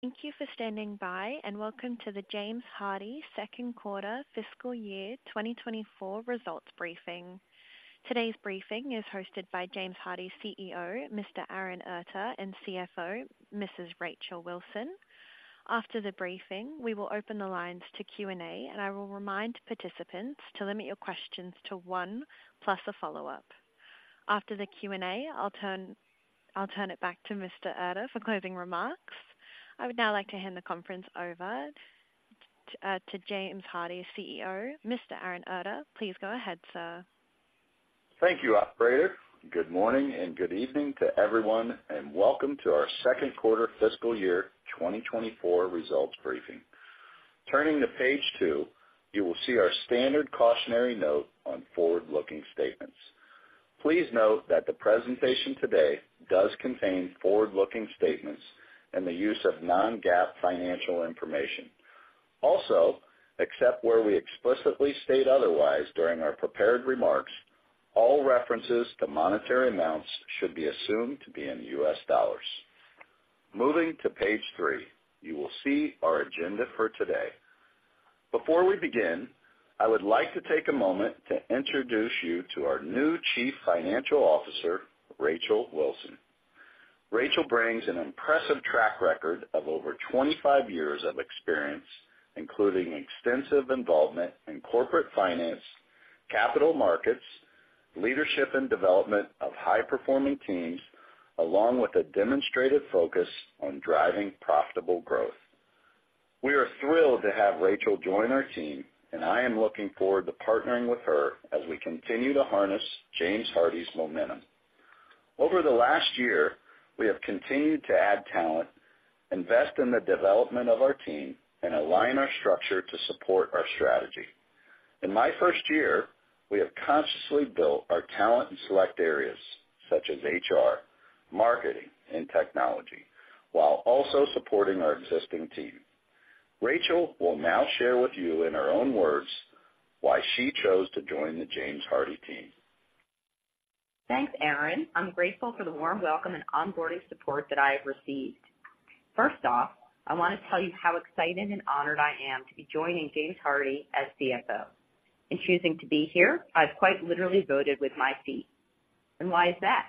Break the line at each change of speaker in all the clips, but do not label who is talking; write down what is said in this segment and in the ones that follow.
Thank you for standing by, and welcome to the James Hardie second quarter fiscal year 2024 results briefing. Today's briefing is hosted by James Hardie's CEO, Mr. Aaron Erter, and CFO, Mrs. Rachel Wilson. After the briefing, we will open the lines to Q&A, and I will remind participants to limit your questions to one plus a follow-up. After the Q&A, I'll turn it back to Mr. Erter for closing remarks. I would now like to hand the conference over to James Hardie's CEO, Mr. Aaron Erter. Please go ahead, sir.
Thank you, operator. Good morning, and good evening to everyone, and welcome to our second quarter fiscal year 2024 results briefing. Turning to page 2, you will see our standard cautionary note on forward-looking statements. Please note that the presentation today does contain forward-looking statements and the use of non-GAAP financial information. Also, except where we explicitly state otherwise during our prepared remarks, all references to monetary amounts should be assumed to be in U.S. dollars. Moving to page 3, you will see our agenda for today. Before we begin, I would like to take a moment to introduce you to our new Chief Financial Officer, Rachel Wilson. Rachel brings an impressive track record of over 25 years of experience, including extensive involvement in corporate finance, capital markets, leadership, and development of high-performing teams, along with a demonstrated focus on driving profitable growth. We are thrilled to have Rachel join our team, and I am looking forward to partnering with her as we continue to harness James Hardie's momentum. Over the last year, we have continued to add talent, invest in the development of our team, and align our structure to support our strategy. In my first year, we have consciously built our talent in select areas such as HR, marketing, and technology, while also supporting our existing team. Rachel will now share with you, in her own words, why she chose to join the James Hardie team.
Thanks, Aaron. I'm grateful for the warm welcome and onboarding support that I have received. First off, I want to tell you how excited and honored I am to be joining James Hardie as CFO. In choosing to be here, I've quite literally voted with my feet. And why is that?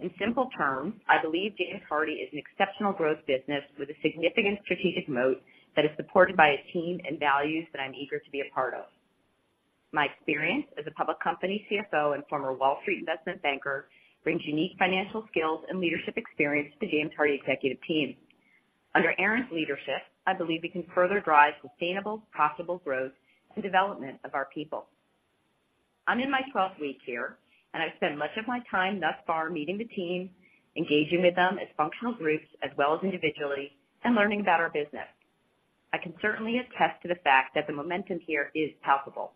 In simple terms, I believe James Hardie is an exceptional growth business with a significant strategic moat that is supported by a team and values that I'm eager to be a part of. My experience as a public company CFO and former Wall Street investment banker brings unique financial skills and leadership experience to the James Hardie executive team. Under Aaron's leadership, I believe we can further drive sustainable, profitable growth and development of our people. I'm in my twelfth week here, and I've spent much of my time thus far meeting the team, engaging with them as functional groups as well as individually, and learning about our business. I can certainly attest to the fact that the momentum here is palpable.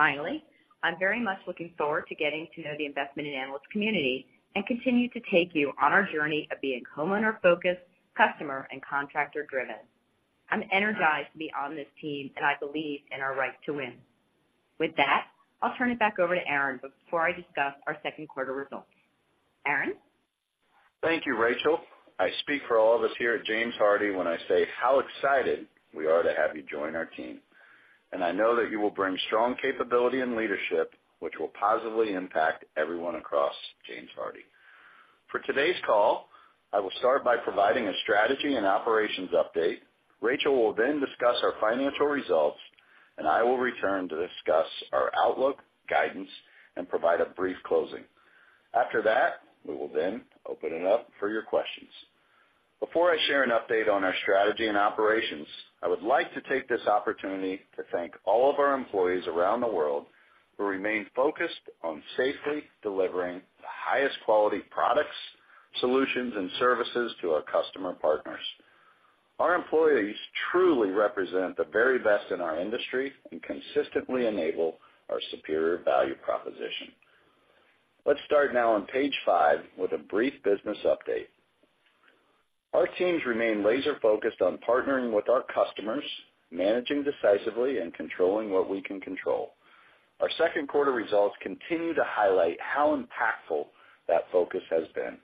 Finally, I'm very much looking forward to getting to know the investment and analyst community and continue to take you on our journey of being homeowner-focused, customer and contractor-driven. I'm energized to be on this team, and I believe in our right to win. With that, I'll turn it back over to Aaron before I discuss our second quarter results. Aaron?
Thank you, Rachel. I speak for all of us here at James Hardie when I say how excited we are to have you join our team, and I know that you will bring strong capability and leadership, which will positively impact everyone across James Hardie. For today's call, I will start by providing a strategy and operations update. Rachel will then discuss our financial results, and I will return to discuss our outlook, guidance, and provide a brief closing. After that, we will then open it up for your questions. Before I share an update on our strategy and operations, I would like to take this opportunity to thank all of our employees around the world who remain focused on safely delivering the highest quality products, solutions, and services to our customer partners. Our employees truly represent the very best in our industry and consistently enable our superior value proposition. Let's start now on page five with a brief business update. Our teams remain laser-focused on partnering with our customers, managing decisively, and controlling what we can control. Our second quarter results continue to highlight how impactful that focus has been.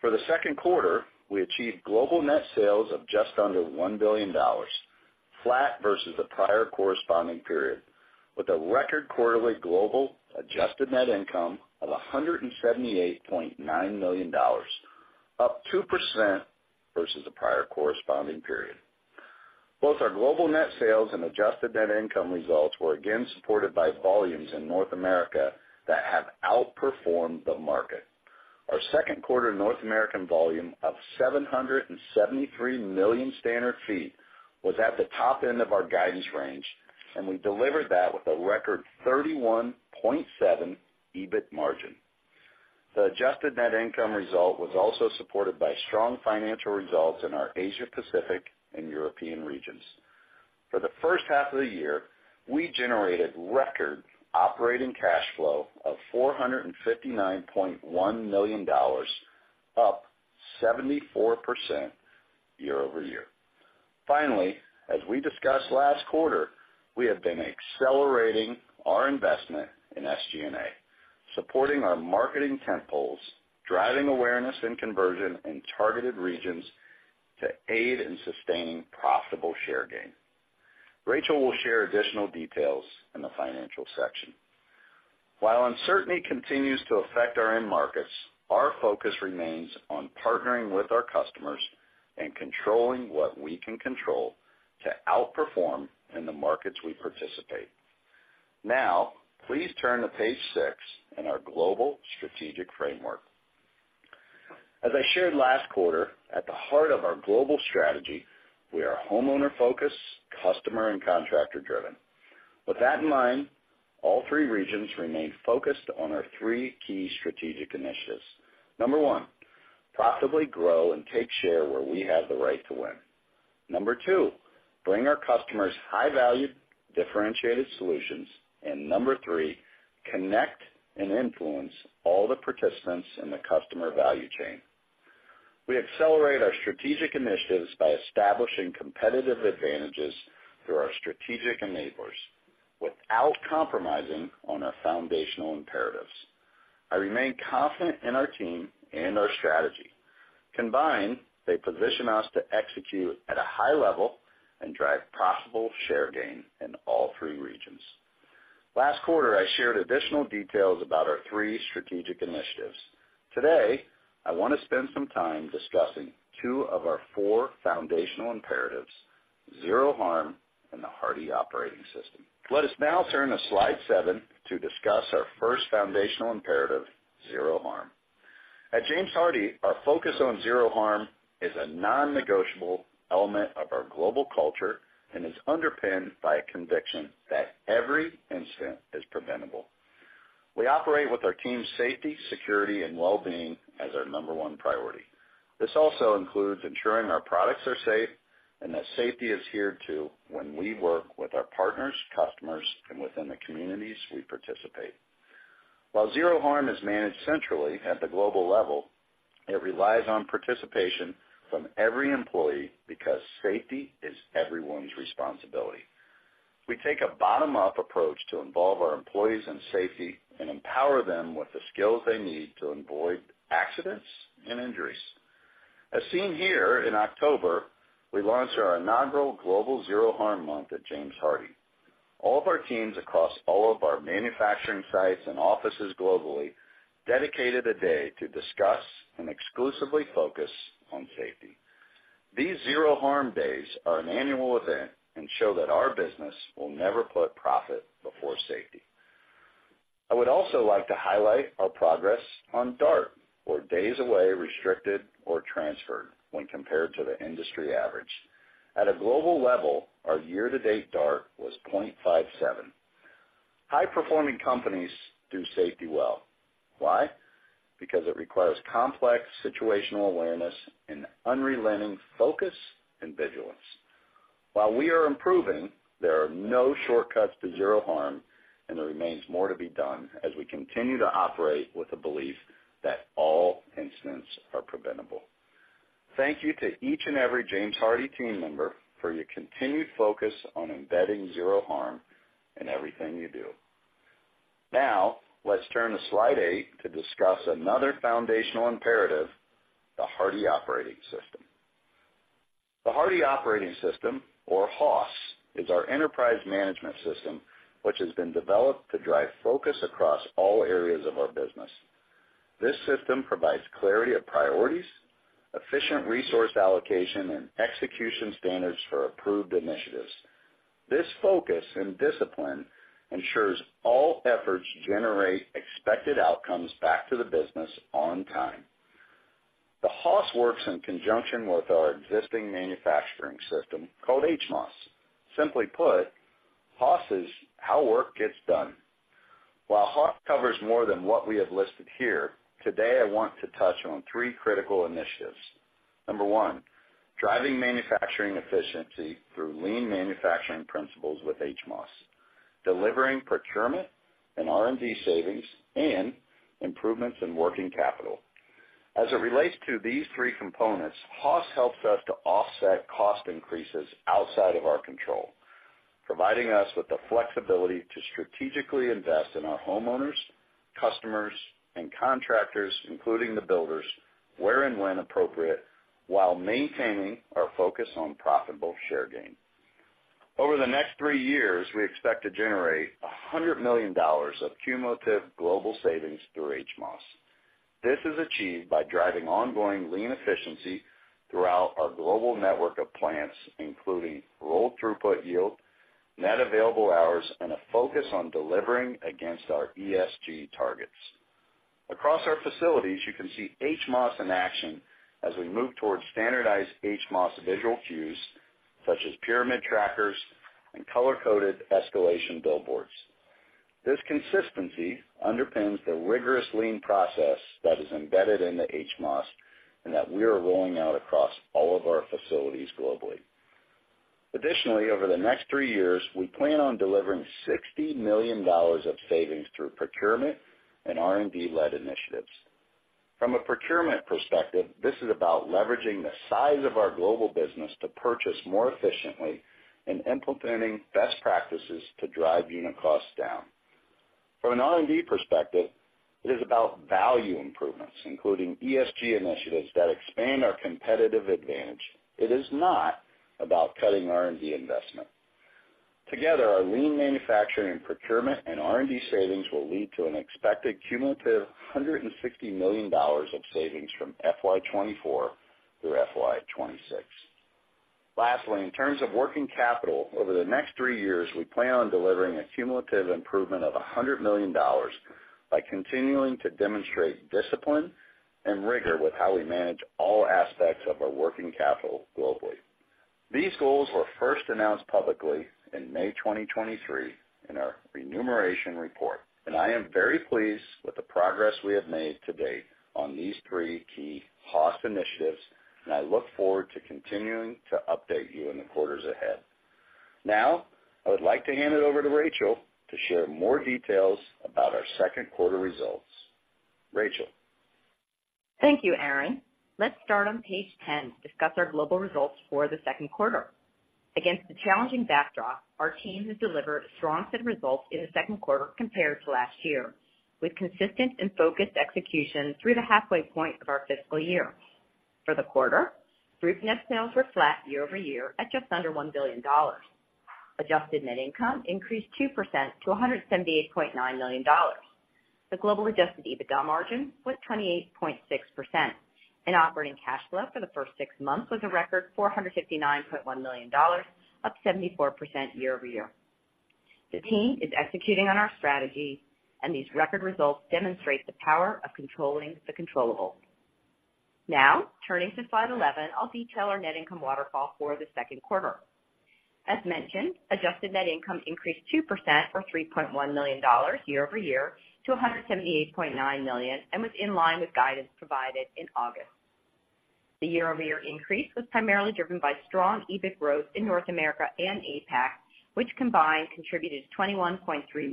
For the second quarter, we achieved global net sales of just under $1 billion, flat versus the prior corresponding period, with a record quarterly global adjusted net income of $178.9 million, up 2% versus the prior corresponding period. Both our global net sales and adjusted net income results were again supported by volumes in North America that have outperformed the market. Our second quarter North American volume of 773 million standard feet was at the top end of our guidance range, and we delivered that with a record 31.7% EBIT margin. The adjusted net income result was also supported by strong financial results in our Asia Pacific and European regions. For the first half of the year, we generated record operating cash flow of $459.1 million, up 74% year-over-year. Finally, as we discussed last quarter, we have been accelerating our investment in SG&A, supporting our marketing tentpoles, driving awareness and conversion in targeted regions to aid in sustaining profitable share gain. Rachel will share additional details in the financial section. While uncertainty continues to affect our end markets, our focus remains on partnering with our customers and controlling what we can control to outperform in the markets we participate. Now, please turn to page 6 in our global strategic framework. As I shared last quarter, at the heart of our global strategy, we are homeowner-focused, customer, and contractor-driven. With that in mind, all three regions remain focused on our 3 key strategic initiatives. Number 1, profitably grow and take share where we have the right to win. Number 2, bring our customers high-value, differentiated solutions. And number 3, connect and influence all the participants in the customer value chain. We accelerate our strategic initiatives by establishing competitive advantages through our strategic enablers, without compromising on our foundational imperatives. I remain confident in our team and our strategy. Combined, they position us to execute at a high level and drive profitable share gain in all 3 regions. Last quarter, I shared additional details about our 3 strategic initiatives. Today, I want to spend some time discussing 2 of our 4 foundational imperatives, Zero Harm and the Hardie Operating System. Let us now turn to slide 7 to discuss our first foundational imperative, Zero Harm. At James Hardie, our focus on Zero Harm is a non-negotiable element of our global culture and is underpinned by a conviction that every incident is preventable. We operate with our team's safety, security, and well-being as our number one priority. This also includes ensuring our products are safe and that safety is adhered to when we work with our partners, customers, and within the communities we participate. While Zero Harm is managed centrally at the global level, it relies on participation from every employee because safety is everyone's responsibility. We take a bottom-up approach to involve our employees in safety and empower them with the skills they need to avoid accidents and injuries. As seen here, in October, we launched our inaugural Global Zero Harm Month at James Hardie. All of our teams across all of our manufacturing sites and offices globally dedicated a day to discuss and exclusively focus on safety. These Zero Harm days are an annual event and show that our business will never put profit before safety. I would also like to highlight our progress on DART, or Days Away Restricted or Transferred, when compared to the industry average. At a global level, our year-to-date DART was 0.57. High-performing companies do safety well. Why? Because it requires complex situational awareness and unrelenting focus and vigilance. While we are improving, there are no shortcuts to Zero Harm, and there remains more to be done as we continue to operate with the belief that all incidents are preventable. Thank you to each and every James Hardie team member for your continued focus on embedding Zero Harm in everything you do. Now, let's turn to slide 8 to discuss another foundational imperative, the Hardie Operating System. The Hardie Operating System, or HOS, is our enterprise management system, which has been developed to drive focus across all areas of our business. This system provides clarity of priorities, efficient resource allocation, and execution standards for approved initiatives. This focus and discipline ensures all efforts generate expected outcomes back to the business on time. The HOS works in conjunction with our existing manufacturing system, called HMOS. Simply put, HOS is how work gets done. While HOS covers more than what we have listed here, today, I want to touch on 3 critical initiatives. Number 1, driving manufacturing efficiency through lean manufacturing principles with HMOS, delivering procurement and R&D savings, and improvements in working capital. As it relates to these three components, HOS helps us to offset cost increases outside of our control, providing us with the flexibility to strategically invest in our homeowners, customers, and contractors, including the builders, where and when appropriate, while maintaining our focus on profitable share gain. Over the next three years, we expect to generate $100 million of cumulative global savings through HMOS. This is achieved by driving ongoing lean efficiency throughout our global network of plants, including roll throughput yield, net available hours, and a focus on delivering against our ESG targets. Across our facilities, you can see HMOS in action as we move towards standardized HMOS visual cues, such as pyramid trackers and color-coded escalation billboards. This consistency underpins the rigorous lean process that is embedded in the HMOS and that we are rolling out across all of our facilities globally. Additionally, over the next three years, we plan on delivering $60 million of savings through procurement and R&D-led initiatives. From a procurement perspective, this is about leveraging the size of our global business to purchase more efficiently and implementing best practices to drive unit costs down. From an R&D perspective, it is about value improvements, including ESG initiatives that expand our competitive advantage. It is not about cutting R&D investment. Together, our lean manufacturing and procurement and R&D savings will lead to an expected cumulative $160 million of savings from FY 2024 through FY 2026. Lastly, in terms of working capital, over the next three years, we plan on delivering a cumulative improvement of $100 million by continuing to demonstrate discipline and rigor with how we manage all aspects of our working capital globally. These goals were first announced publicly in May 2023 in our remuneration report, and I am very pleased with the progress we have made to date on these three key HOS initiatives, and I look forward to continuing to update you in the quarters ahead. Now, I would like to hand it over to Rachel to share more details about our second quarter results. Rachel?
Thank you, Aaron. Let's start on page 10 to discuss our global results for the second quarter. Against the challenging backdrop, our team has delivered strong results in the second quarter compared to last year, with consistent and focused execution through the halfway point of our fiscal year. For the quarter, group net sales were flat year-over-year at just under $1 billion. Adjusted net income increased 2% to $178.9 million. The global Adjusted EBITDA margin was 28.6%, and operating cash flow for the first six months was a record $459.1 million, up 74% year-over-year. The team is executing on our strategy, and these record results demonstrate the power of controlling the controllable. Now, turning to slide 11, I'll detail our net income waterfall for the second quarter. As mentioned, adjusted net income increased 2% or $3.1 million year-over-year to $178.9 million, and was in line with guidance provided in August. The year-over-year increase was primarily driven by strong EBIT growth in North America and APAC, which combined, contributed $21.3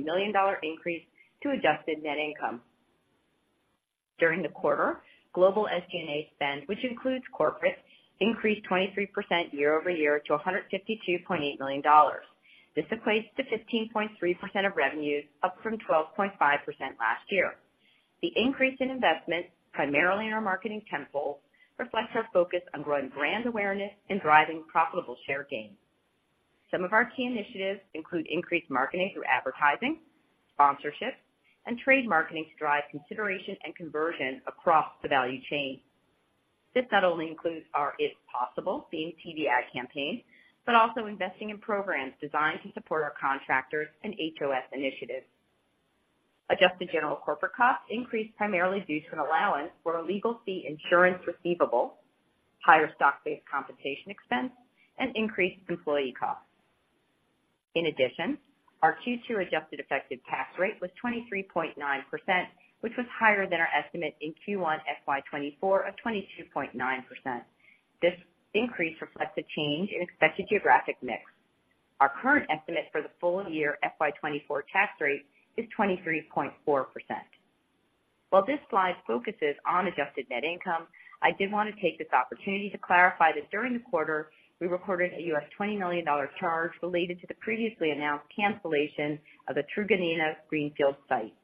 million increase to adjusted net income. During the quarter, global SG&A spend, which includes corporate, increased 23% year-over-year to $152.8 million. This equates to 15.3% of revenues, up from 12.5% last year. The increase in investment, primarily in our marketing tentpole, reflects our focus on growing brand awareness and driving profitable share gains. Some of our key initiatives include increased marketing through advertising, sponsorships, and trade marketing to drive consideration and conversion across the value chain. This not only includes our It's Possible theme TV ad campaign, but also investing in programs designed to support our contractors and HOS initiatives. Adjusted general corporate costs increased primarily due to an allowance for a legal fee, insurance receivable, higher stock-based compensation expense, and increased employee costs. In addition, our Q2 adjusted effective tax rate was 23.9%, which was higher than our estimate in Q1 FY 2024 of 22.9%. This increase reflects a change in expected geographic mix. Our current estimate for the full year FY 2024 tax rate is 23.4%. While this slide focuses on adjusted net income, I did want to take this opportunity to clarify that during the quarter, we recorded a $20 million charge related to the previously announced cancellation of the Truganina greenfield site.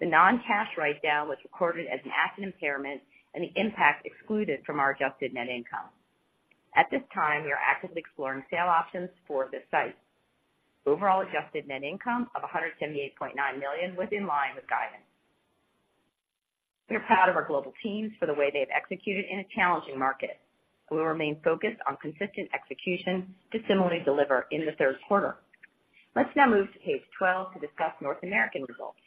The non-cash write-down was recorded as an asset impairment and the impact excluded from our Adjusted Net Income. At this time, we are actively exploring sale options for this site. Overall, Adjusted Net Income of $178.9 million was in line with guidance. We are proud of our global teams for the way they have executed in a challenging market. We will remain focused on consistent execution to similarly deliver in the third quarter. Let's now move to page 12 to discuss North American results.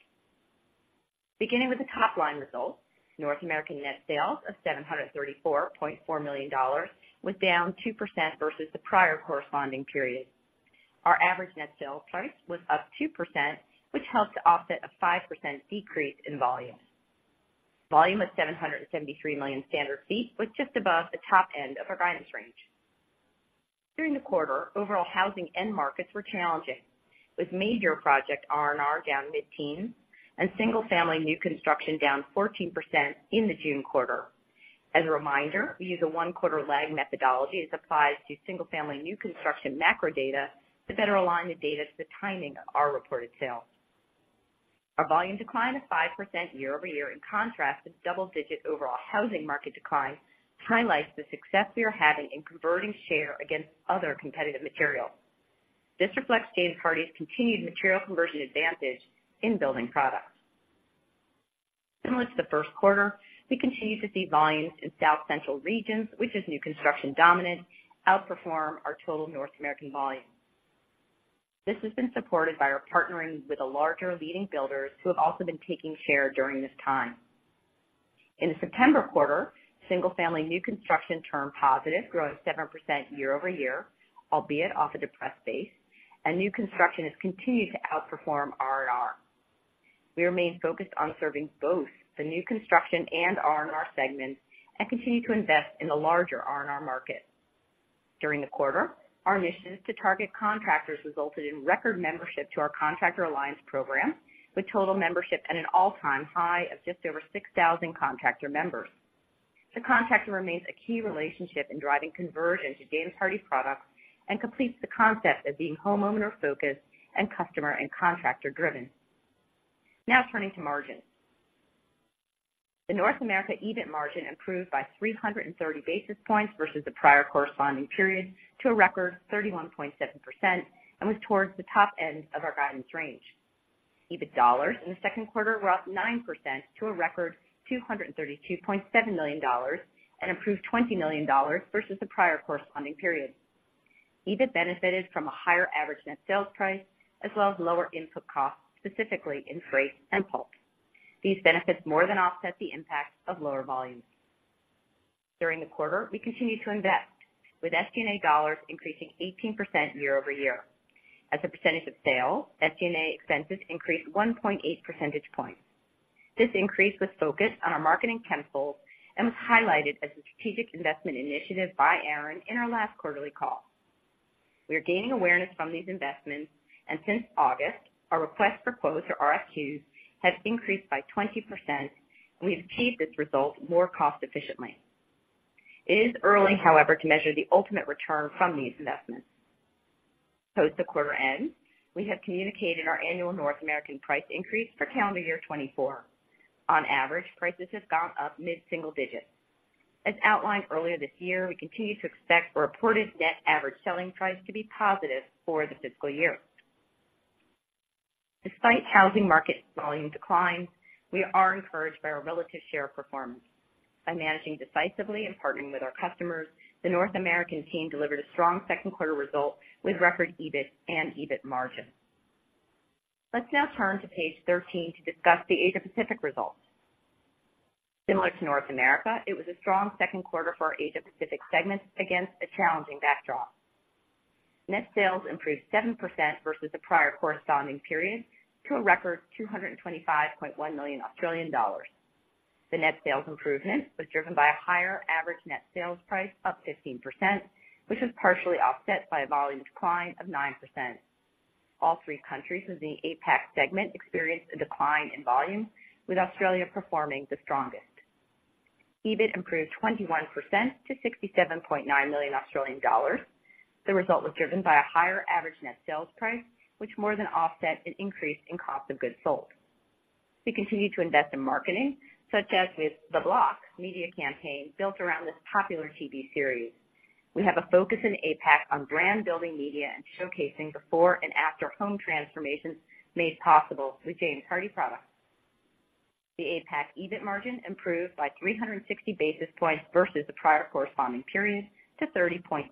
Beginning with the top-line results, North American net sales of $734.4 million was down 2% versus the prior corresponding period. Our average net sales price was up 2%, which helped to offset a 5% decrease in volume. Volume of 773 million standard feet was just above the top end of our guidance range. During the quarter, overall housing end markets were challenging, with major project R&R down mid-teens, and single-family new construction down 14% in the June quarter. As a reminder, we use a one-quarter lag methodology that applies to single-family new construction macro data to better align the data to the timing of our reported sales. Our volume decline of 5% year-over-year, in contrast to the double-digit overall housing market decline, highlights the success we are having in converting share against other competitive materials. This reflects James Hardie's continued material conversion advantage in building products. Similar to the first quarter, we continue to see volumes in South Central regions, which is new construction dominant, outperform our total North American volume. This has been supported by our partnering with the larger leading builders, who have also been taking share during this time. In the September quarter, single-family new construction turned positive, growing 7% year-over-year, albeit off a depressed base, and new construction has continued to outperform R&R. We remain focused on serving both the new construction and R&R segments and continue to invest in the larger R&R market. During the quarter, our mission to target contractors resulted in record membership to our Contractor Alliance Program, with total membership at an all-time high of just over 6,000 contractor members. The contractor remains a key relationship in driving conversion to James Hardie products and completes the concept of being homeowner-focused and customer and contractor-driven. Now turning to margins. The North America EBIT margin improved by 300 basis points versus the prior corresponding period, to a record 31.7%, and was towards the top end of our guidance range. EBIT dollars in the second quarter were up 9% to a record $232.7 million, and improved $20 million versus the prior corresponding period. EBIT benefited from a higher average net sales price, as well as lower input costs, specifically in freight and pulp. These benefits more than offset the impact of lower volumes. During the quarter, we continued to invest, with SG&A dollars increasing 18% year over year. As a percentage of sales, SG&A expenses increased 1.8 percentage points. This increase was focused on our marketing tentpole and was highlighted as a strategic investment initiative by Aaron in our last quarterly call. We are gaining awareness from these investments, and since August, our request for quotes, or RFQs, have increased by 20%, and we've achieved this result more cost efficiently. It is early, however, to measure the ultimate return from these investments. Post the quarter end, we have communicated our annual North American price increase for calendar year 2024. On average, prices have gone up mid-single digits. As outlined earlier this year, we continue to expect reported net average selling price to be positive for the fiscal year. Despite housing market volume declines, we are encouraged by our relative share performance. By managing decisively and partnering with our customers, the North American team delivered a strong second quarter result with record EBIT and EBIT margin. Let's now turn to page 13 to discuss the Asia-Pacific results. Similar to North America, it was a strong second quarter for our Asia-Pacific segment against a challenging backdrop. Net sales improved 7% versus the prior corresponding period, to a record 225.1 million Australian dollars. The net sales improvement was driven by a higher average net sales price, up 15%, which was partially offset by a volume decline of 9%. All three countries within the APAC segment experienced a decline in volume, with Australia performing the strongest. EBIT improved 21% to 67.9 million Australian dollars. The result was driven by a higher average net sales price, which more than offset an increase in cost of goods sold. We continue to invest in marketing, such as with The Block media campaign, built around this popular TV series. We have a focus in APAC on brand-building media and showcasing before and after home transformations made possible with James Hardie products. The APAC EBIT margin improved by 360 basis points versus the prior corresponding period to 30.2%.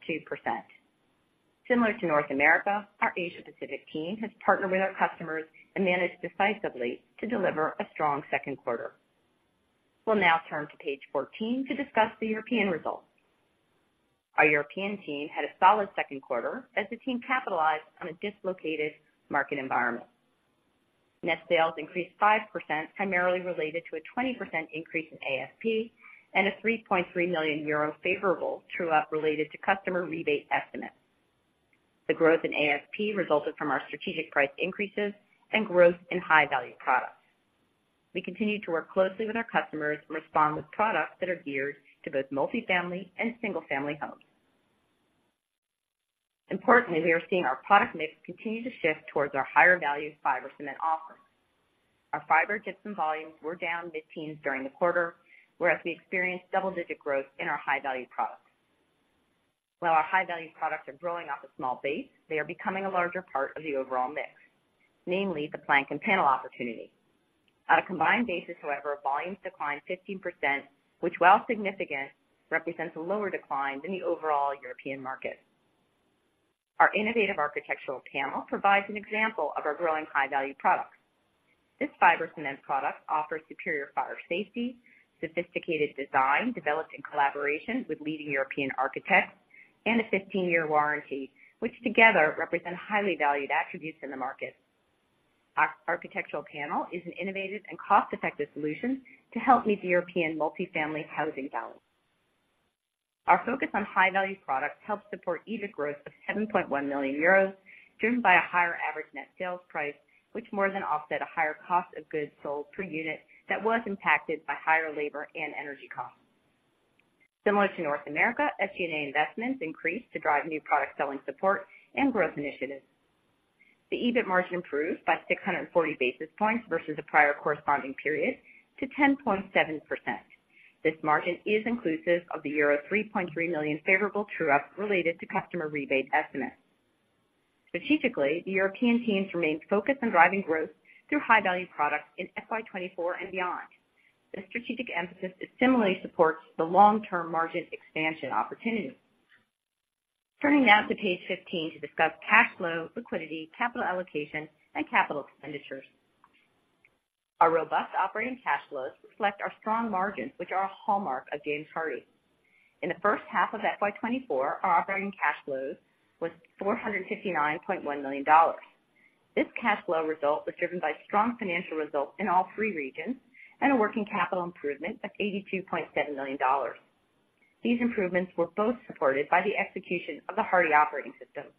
Similar to North America, our Asia Pacific team has partnered with our customers and managed decisively to deliver a strong second quarter. We'll now turn to page 14 to discuss the European results. Our European team had a solid second quarter as the team capitalized on a dislocated market environment. Net sales increased 5%, primarily related to a 20% increase in ASP and a 3.3 million euro favorable true-up related to customer rebate estimates. The growth in ASP resulted from our strategic price increases and growth in high-value products. We continue to work closely with our customers and respond with products that are geared to both multifamily and single-family homes. Importantly, we are seeing our product mix continue to shift towards our higher-value fiber cement offering. Our fiber gypsum volumes were down mid-teens during the quarter, whereas we experienced double-digit growth in our high-value products. While our high-value products are growing off a small base, they are becoming a larger part of the overall mix, namely the plank and panel opportunity. On a combined basis, however, volumes declined 15%, which, while significant, represents a lower decline than the overall European market. Our innovative architectural panel provides an example of our growing high-value products. This fiber cement product offers superior fire safety, sophisticated design developed in collaboration with leading European architects, and a 15-year warranty, which together represent highly valued attributes in the market. Our architectural panel is an innovative and cost-effective solution to help meet the European multifamily housing challenge. Our focus on high-value products helped support EBIT growth of 7.1 million euros, driven by a higher average net sales price, which more than offset a higher cost of goods sold per unit that was impacted by higher labor and energy costs. Similar to North America, SG&A investments increased to drive new product selling support and growth initiatives. The EBIT margin improved by 640 basis points versus the prior corresponding period to 10.7%. This margin is inclusive of the euro 3.3 million favorable true-up related to customer rebate estimates. Strategically, the European teams remained focused on driving growth through high-value products in FY 2024 and beyond. This strategic emphasis similarly supports the long-term margin expansion opportunity. Turning now to page 15 to discuss cash flow, liquidity, capital allocation, and capital expenditures. Our robust operating cash flows reflect our strong margins, which are a hallmark of James Hardie. In the first half of FY 2024, our operating cash flows was $459.1 million. This cash flow result was driven by strong financial results in all three regions and a working capital improvement of $82.7 million. These improvements were both supported by the execution of the Hardie Operating System.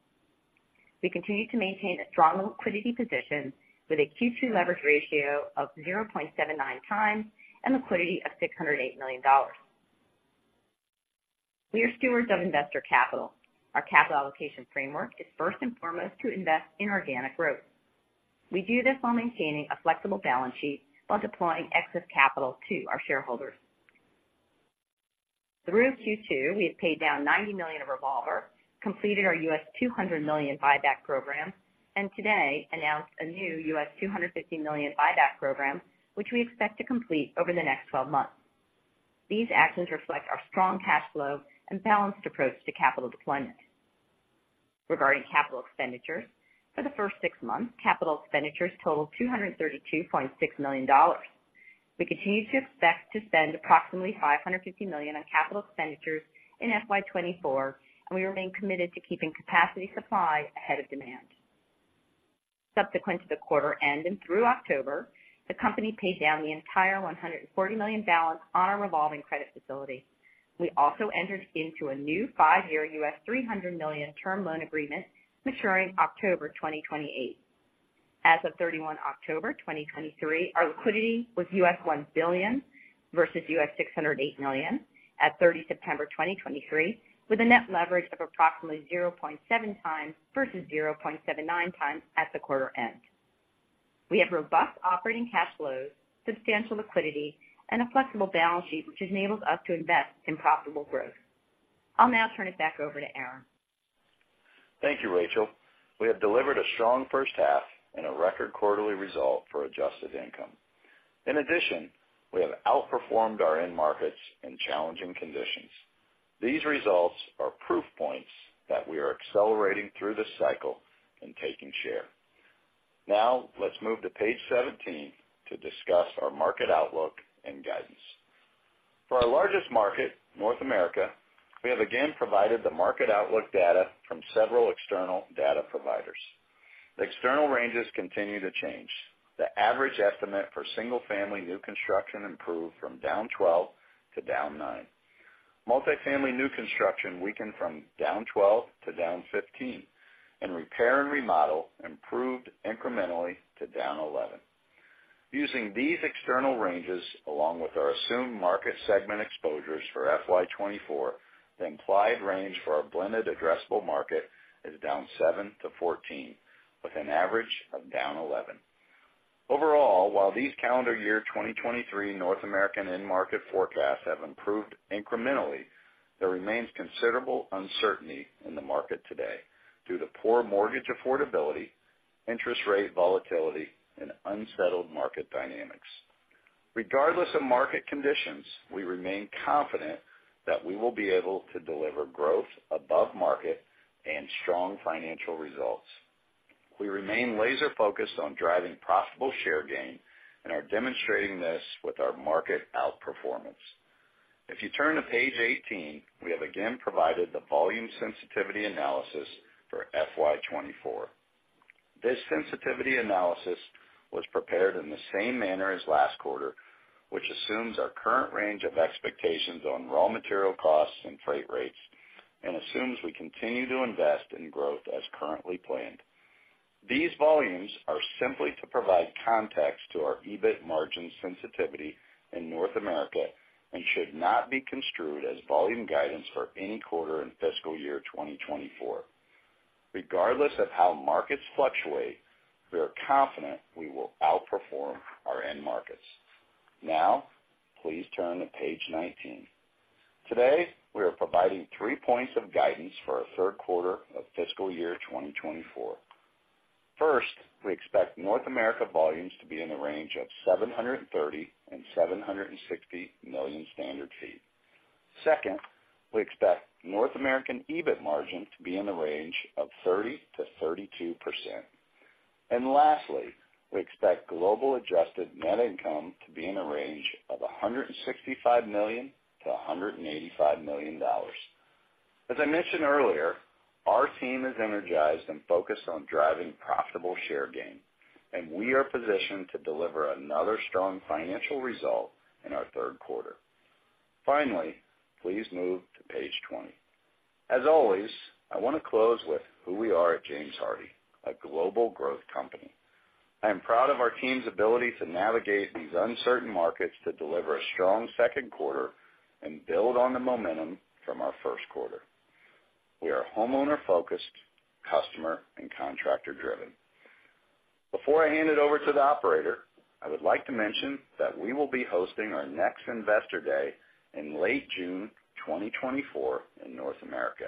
We continue to maintain a strong liquidity position with a Q2 leverage ratio of 0.79 times and liquidity of $608 million. We are stewards of investor capital. Our capital allocation framework is first and foremost to invest in organic growth. We do this while maintaining a flexible balance sheet, while deploying excess capital to our shareholders. Through Q2, we have paid down $90 million of revolver, completed our $200 million buyback program, and today announced a new $250 million buyback program, which we expect to complete over the next 12 months. These actions reflect our strong cash flow and balanced approach to capital deployment. Regarding capital expenditures, for the first six months, capital expenditures totaled $232.6 million. We continue to expect to spend approximately $550 million on capital expenditures in FY 2024, and we remain committed to keeping capacity supply ahead of demand. Subsequent to the quarter end and through October, the company paid down the entire $140 million balance on our revolving credit facility. We also entered into a new 5-year $300 million term loan agreement, maturing October 2028. As of 31 October 2023, our liquidity was $1 billion versus $608 million at 30 September 2023, with a net leverage of approximately 0.7 times versus 0.79 times at the quarter end. We have robust operating cash flows, substantial liquidity, and a flexible balance sheet, which enables us to invest in profitable growth. I'll now turn it back over to Aaron.
Thank you, Rachel. We have delivered a strong first half and a record quarterly result for adjusted income. In addition, we have outperformed our end markets in challenging conditions. These results are proof points that we are accelerating through the cycle and taking share. Now, let's move to page 17 to discuss our market outlook and guidance. For our largest market, North America, we have again provided the market outlook data from several external data providers. The external ranges continue to change. The average estimate for single-family new construction improved from down 12 to down 9. Multifamily new construction weakened from down 12 to down 15, and repair and remodel improved incrementally to down 11. Using these external ranges, along with our assumed market segment exposures for FY 2024, the implied range for our blended addressable market is down 7 to 14, with an average of down 11. Overall, while these calendar year 2023 North American end market forecasts have improved incrementally, there remains considerable uncertainty in the market today due to poor mortgage affordability, interest rate volatility, and unsettled market dynamics. Regardless of market conditions, we remain confident that we will be able to deliver growth above market and strong financial results. We remain laser focused on driving profitable share gain and are demonstrating this with our market outperformance. If you turn to page 18, we have again provided the volume sensitivity analysis for FY 2024. This sensitivity analysis was prepared in the same manner as last quarter, which assumes our current range of expectations on raw material costs and freight rates and assumes we continue to invest in growth as currently planned. These volumes are simply to provide context to our EBIT margin sensitivity in North America and should not be construed as volume guidance for any quarter in fiscal year 2024. Regardless of how markets fluctuate, we are confident we will outperform our end markets. Now, please turn to page 19. Today, we are providing three points of guidance for our third quarter of fiscal year 2024. First, we expect North America volumes to be in the range of 730-760 million standard feet. Second, we expect North American EBIT margin to be in the range of 30%-32%. And lastly, we expect global adjusted net income to be in the range of $165 million-$185 million. As I mentioned earlier, our team is energized and focused on driving profitable share gain, and we are positioned to deliver another strong financial result in our third quarter. Finally, please move to page 20. As always, I want to close with who we are at James Hardie, a global growth company. I am proud of our team's ability to navigate these uncertain markets to deliver a strong second quarter and build on the momentum from our first quarter. We are homeowner-focused, customer, and contractor-driven. Before I hand it over to the operator, I would like to mention that we will be hosting our next Investor Day in late June 2024 in North America.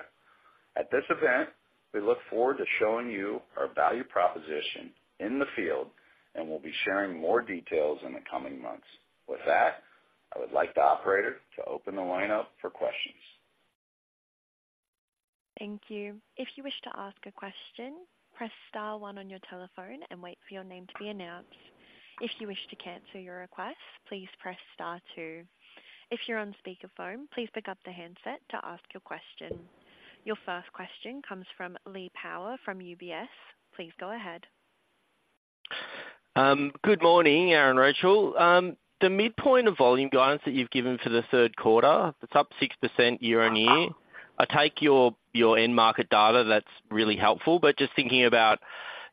At this event, we look forward to showing you our value proposition in the field, and we'll be sharing more details in the coming months. With that, I would like the operator to open the line up for questions.
Thank you. If you wish to ask a question, press star one on your telephone and wait for your name to be announced. If you wish to cancel your request, please press star two. If you're on speakerphone, please pick up the handset to ask your question. Your first question comes from Lee Power from UBS. Please go ahead.
Good morning, Aaron, Rachel. The midpoint of volume guidance that you've given for the third quarter, it's up 6% year-on-year. I take your, your end market data, that's really helpful. But just thinking about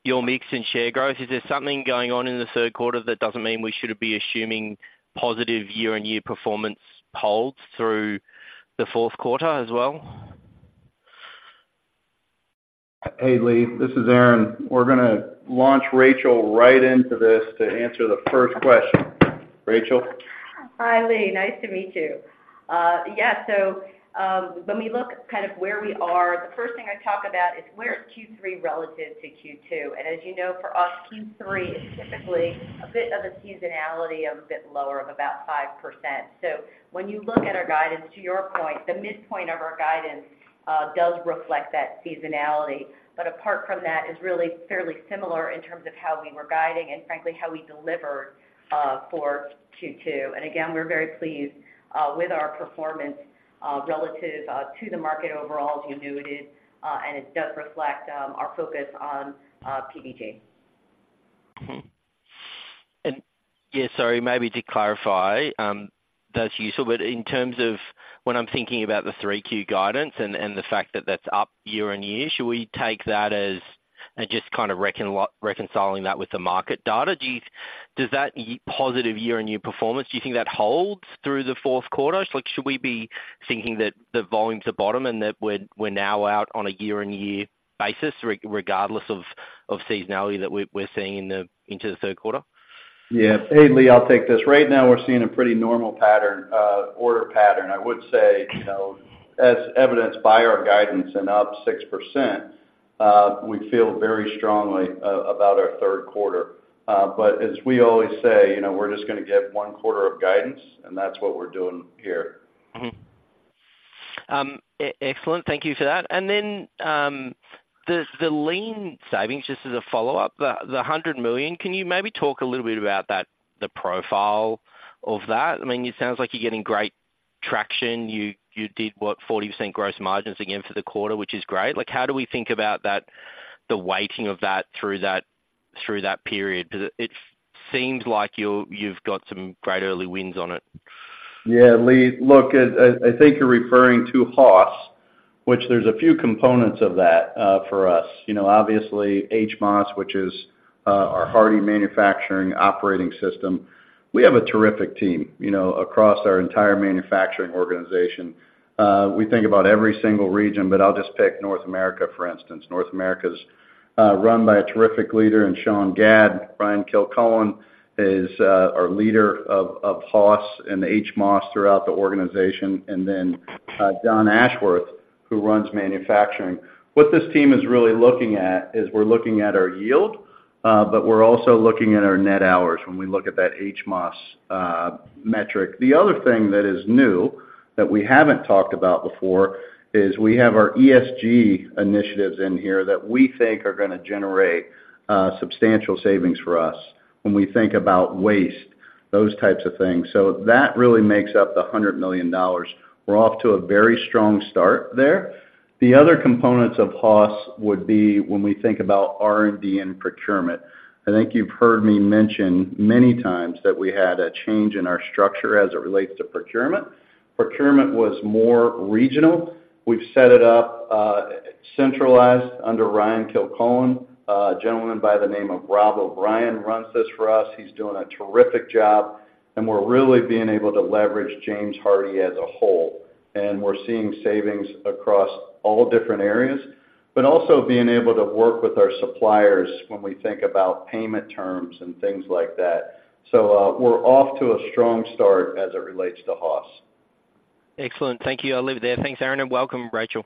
your mix and share growth, is there something going on in the third quarter that doesn't mean we should be assuming positive year-on-year performance holds through the fourth quarter as well?
Hey, Lee, this is Aaron. We're gonna launch Rachel right into this to answer the first question. Rachel?
Hi, Lee. Nice to meet you. Yeah, so, when we look kind of where we are, the first thing I talk about is where is Q3 relative to Q2? And as you know, for us, Q3 is typically a bit of a seasonality of a bit lower of about 5%. So when you look at our guidance, to your point, the midpoint of our guidance does reflect that seasonality. But apart from that, is really fairly similar in terms of how we were guiding and frankly, how we delivered for Q2. And again, we're very pleased with our performance relative to the market overall, as you noted, and it does reflect our focus on PDG.
Mm-hmm. And yeah, sorry, maybe to clarify, that's useful, but in terms of when I'm thinking about the 3Q guidance and the fact that that's up year-on-year, should we take that as just kind of reconciling that with the market data? Does that positive year-on-year performance, do you think that holds through the fourth quarter? Like, should we be thinking that the volumes are bottom and that we're now out on a year-on-year basis regardless of seasonality that we're seeing into the third quarter?
Yeah. Hey, Lee, I'll take this. Right now, we're seeing a pretty normal pattern, order pattern. I would say, you know, as evidenced by our guidance and up 6%, we feel very strongly about our third quarter. But as we always say, you know, we're just gonna give one quarter of guidance, and that's what we're doing here.
Mm-hmm. Excellent. Thank you for that. And then, the lean savings, just as a follow-up, the $100 million, can you maybe talk a little bit about that, the profile of that? I mean, it sounds like you're getting great traction. You did what? 40% gross margins again for the quarter, which is great. Like, how do we think about that, the weighting of that through that, through that period? Because it seems like you've got some great early wins on it.
Yeah, Lee, look, I think you're referring to HOS, which there's a few components of that for us. You know, obviously, HMOS, which is our Hardie Manufacturing Operating System. We have a terrific team, you know, across our entire manufacturing organization. We think about every single region, but I'll just pick North America, for instance. North America's run by a terrific leader in Sean Gadd. Ryan Kilcullen is our leader of HOS and the HMOS throughout the organization, and then Don Ashworth, who runs manufacturing. What this team is really looking at is we're looking at our yield, but we're also looking at our net hours when we look at that HMOS metric. The other thing that is new, that we haven't talked about before, is we have our ESG initiatives in here that we think are gonna generate substantial savings for us when we think about waste, those types of things. So that really makes up the $100 million. We're off to a very strong start there. The other components of HOS would be when we think about R&D and procurement. I think you've heard me mention many times that we had a change in our structure as it relates to procurement. Procurement was more regional. We've set it up centralized under Ryan Kilcullen. A gentleman by the name of Rob O'Brien runs this for us. He's doing a terrific job, and we're really being able to leverage James Hardie as a whole. We're seeing savings across all different areas, but also being able to work with our suppliers when we think about payment terms and things like that. We're off to a strong start as it relates to HOS.
Excellent. Thank you. I'll leave it there. Thanks, Aaron, and welcome, Rachel.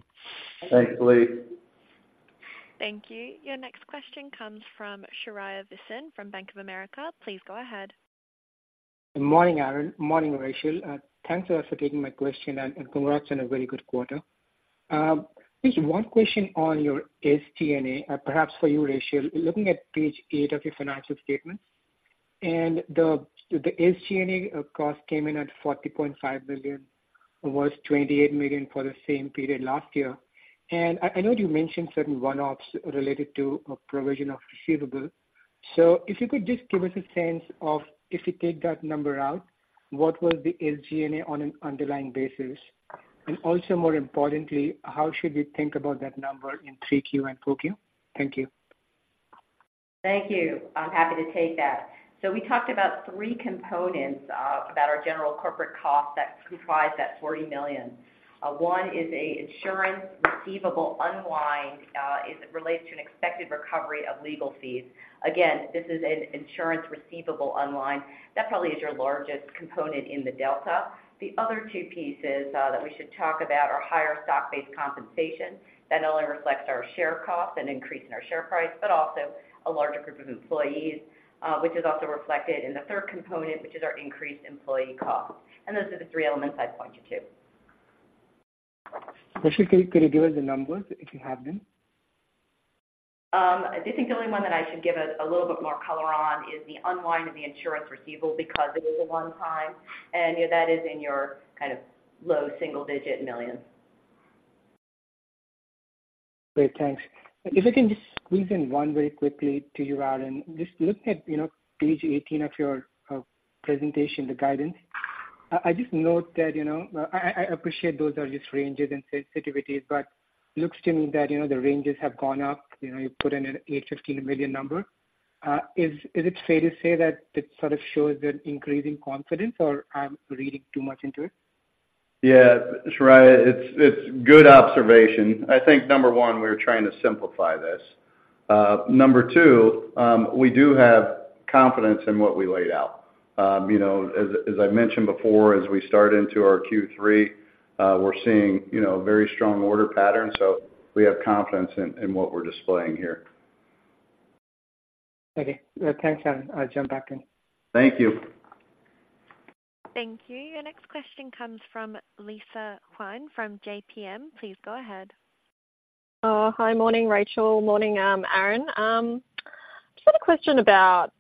Thanks, Lee.
Thank you. Your next question comes from Shaurya Visen from Bank of America. Please go ahead.
Good morning, Aaron. Morning, Rachel. Thanks a lot for taking my question, and congrats on a very good quarter. Just one question on your SG&A, perhaps for you, Rachel. Looking at page 8 of your financial statement, and the SG&A cost came in at $40.5 million, was $28 million for the same period last year. And I know you mentioned certain one-offs related to a provision of receivable. So if you could just give us a sense of, if you take that number out, what was the SG&A on an underlying basis? And also, more importantly, how should we think about that number in 3Q and 4Q? Thank you.
Thank you. I'm happy to take that. So we talked about three components, about our general corporate costs that comprise that $40 million. One is a insurance receivable unwind, as it relates to an expected recovery of legal fees. Again, this is an insurance receivable unwind. That probably is your largest component in the delta. The other two pieces, that we should talk about are higher stock-based compensation. That not only reflects our share cost and increase in our share price, but also a larger group of employees, which is also reflected in the third component, which is our increased employee costs. And those are the three elements I'd point you to.
Especially, could you give us the numbers, if you have them?
I do think the only one that I should give a little bit more color on is the unwind of the insurance receivable, because it is a one-time, and, you know, that is in your kind of low single-digit $ millions.
Great, thanks. If I can just squeeze in one very quickly to you, Aaron. Just looking at, you know, page 18 of your presentation, the guidance. I just note that, you know, I appreciate those are just ranges and sensitivities, but looks to me that, you know, the ranges have gone up. You know, you put in an $8 million-$15 million number. Is it fair to say that it sort of shows an increasing confidence, or I'm reading too much into it?
Yeah, Shreyas, it's a good observation. I think number one, we're trying to simplify this. Number two, we do have confidence in what we laid out. You know, as I mentioned before, as we start into our Q3, we're seeing, you know, very strong order patterns, so we have confidence in what we're displaying here.
Okay. Thanks, Aaron. I'll jump back in.
Thank you.
Thank you. Your next question comes from Lisa Huynh from JPM. Please go ahead.
Hi. Morning, Rachel. Morning, Aaron. Just had a question about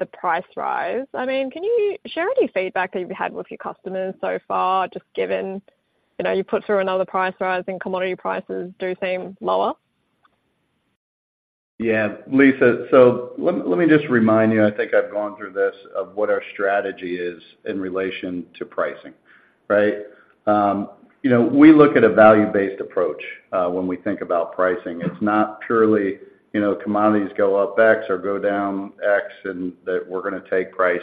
the price rise. I mean, can you share any feedback that you've had with your customers so far, just given, you know, you put through another price rise and commodity prices do seem lower?
Yeah, Lisa. So let me just remind you, I think I've gone through this, of what our strategy is in relation to pricing, right? You know, we look at a value-based approach, when we think about pricing. It's not purely, you know, commodities go up X or go down X, and that we're gonna take price,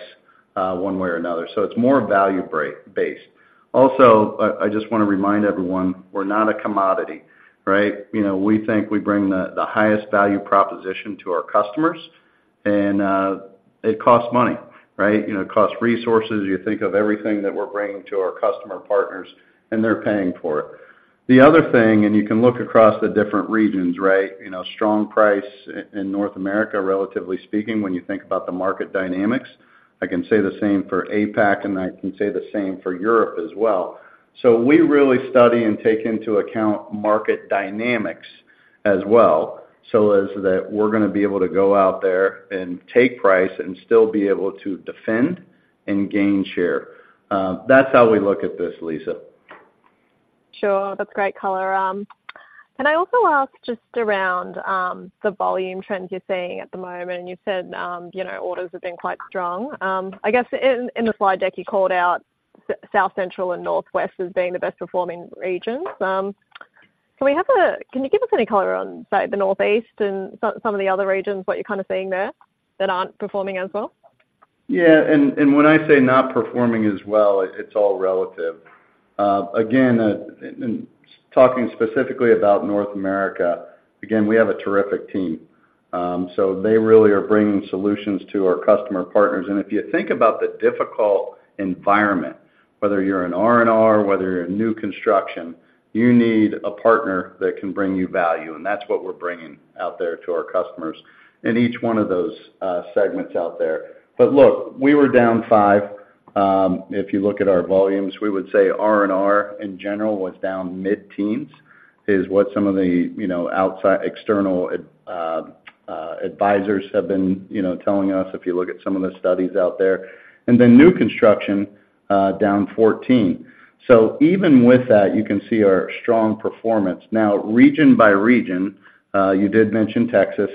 one way or another. So it's more value-based. Also, I just wanna remind everyone, we're not a commodity, right? You know, we think we bring the, the highest value proposition to our customers, and, it costs money, right? You know, it costs resources. You think of everything that we're bringing to our customer partners, and they're paying for it. The other thing, and you can look across the different regions, right? You know, strong price in North America, relatively speaking, when you think about the market dynamics. I can say the same for APAC, and I can say the same for Europe as well. So we really study and take into account market dynamics as well, so as that we're gonna be able to go out there and take price and still be able to defend and gain share. That's how we look at this, Lisa.
Sure. That's great color. Can I also ask just around the volume trends you're seeing at the moment? You said, you know, orders have been quite strong. I guess in the slide deck, you called out South Central and Northwest as being the best performing regions. Can you give us any color on, say, the Northeast and some of the other regions, what you're kind of seeing there, that aren't performing as well?
Yeah, and when I say not performing as well, it's all relative. Again, and talking specifically about North America, again, we have a terrific team. So they really are bringing solutions to our customer partners. And if you think about the difficult environment, whether you're in R&R, whether you're in new construction, you need a partner that can bring you value, and that's what we're bringing out there to our customers in each one of those segments out there. But look, we were down 5. If you look at our volumes, we would say R&R, in general, was down mid-teens, is what some of the, you know, outside external advisors have been, you know, telling us, if you look at some of the studies out there. And then new construction, down 14. So even with that, you can see our strong performance. Now, region by region, you did mention Texas,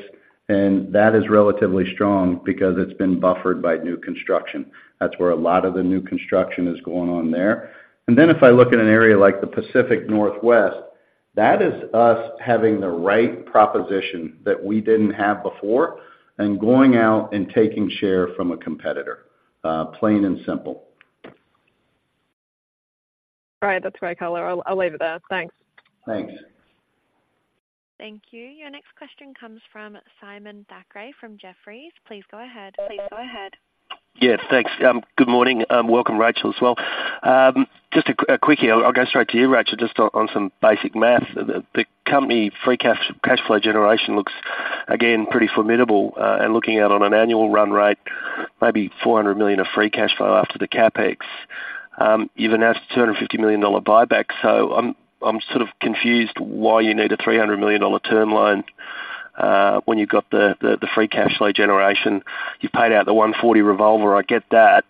and that is relatively strong because it's been buffered by new construction. That's where a lot of the new construction is going on there. And then if I look at an area like the Pacific Northwest, that is us having the right proposition that we didn't have before and going out and taking share from a competitor, plain and simple.
All right. That's great color. I'll, I'll leave it there. Thanks.
Thanks.
Thank you. Your next question comes from Simon Thackray from Jefferies. Please go ahead.
Yes, thanks. Good morning. Welcome, Rachel, as well. Just a quickie. I'll go straight to you, Rachel, just on some basic math. The company free cash flow generation looks again pretty formidable, and looking out on an annual run rate, maybe $400 million of free cash flow after the CapEx. You've announced a $250 million buyback, so I'm sort of confused why you need a $300 million term loan, when you've got the free cash flow generation. You've paid out the $140 million revolver, I get that.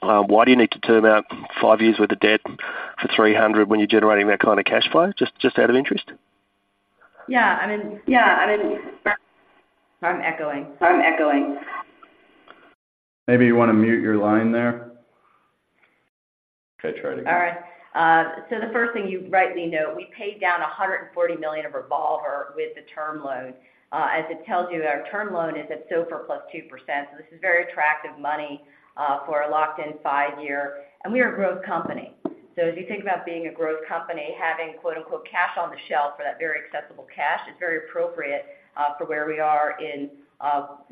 Why do you need to term out 5 years worth of debt for $300 million when you're generating that kind of cash flow? Just out of interest.
Yeah, I mean... Yeah, I mean, I'm echoing. I'm echoing.
Maybe you wanna mute your line there? Okay, try it again.
All right. So the first thing you rightly note, we paid down $140 million of revolver with the term loan. As it tells you, our term loan is at SOFR + 2%, so this is very attractive money for a locked-in five-year. And we are a growth company. So as you think about being a growth company, having quote-unquote "cash on the shelf" for that very accessible cash is very appropriate for where we are in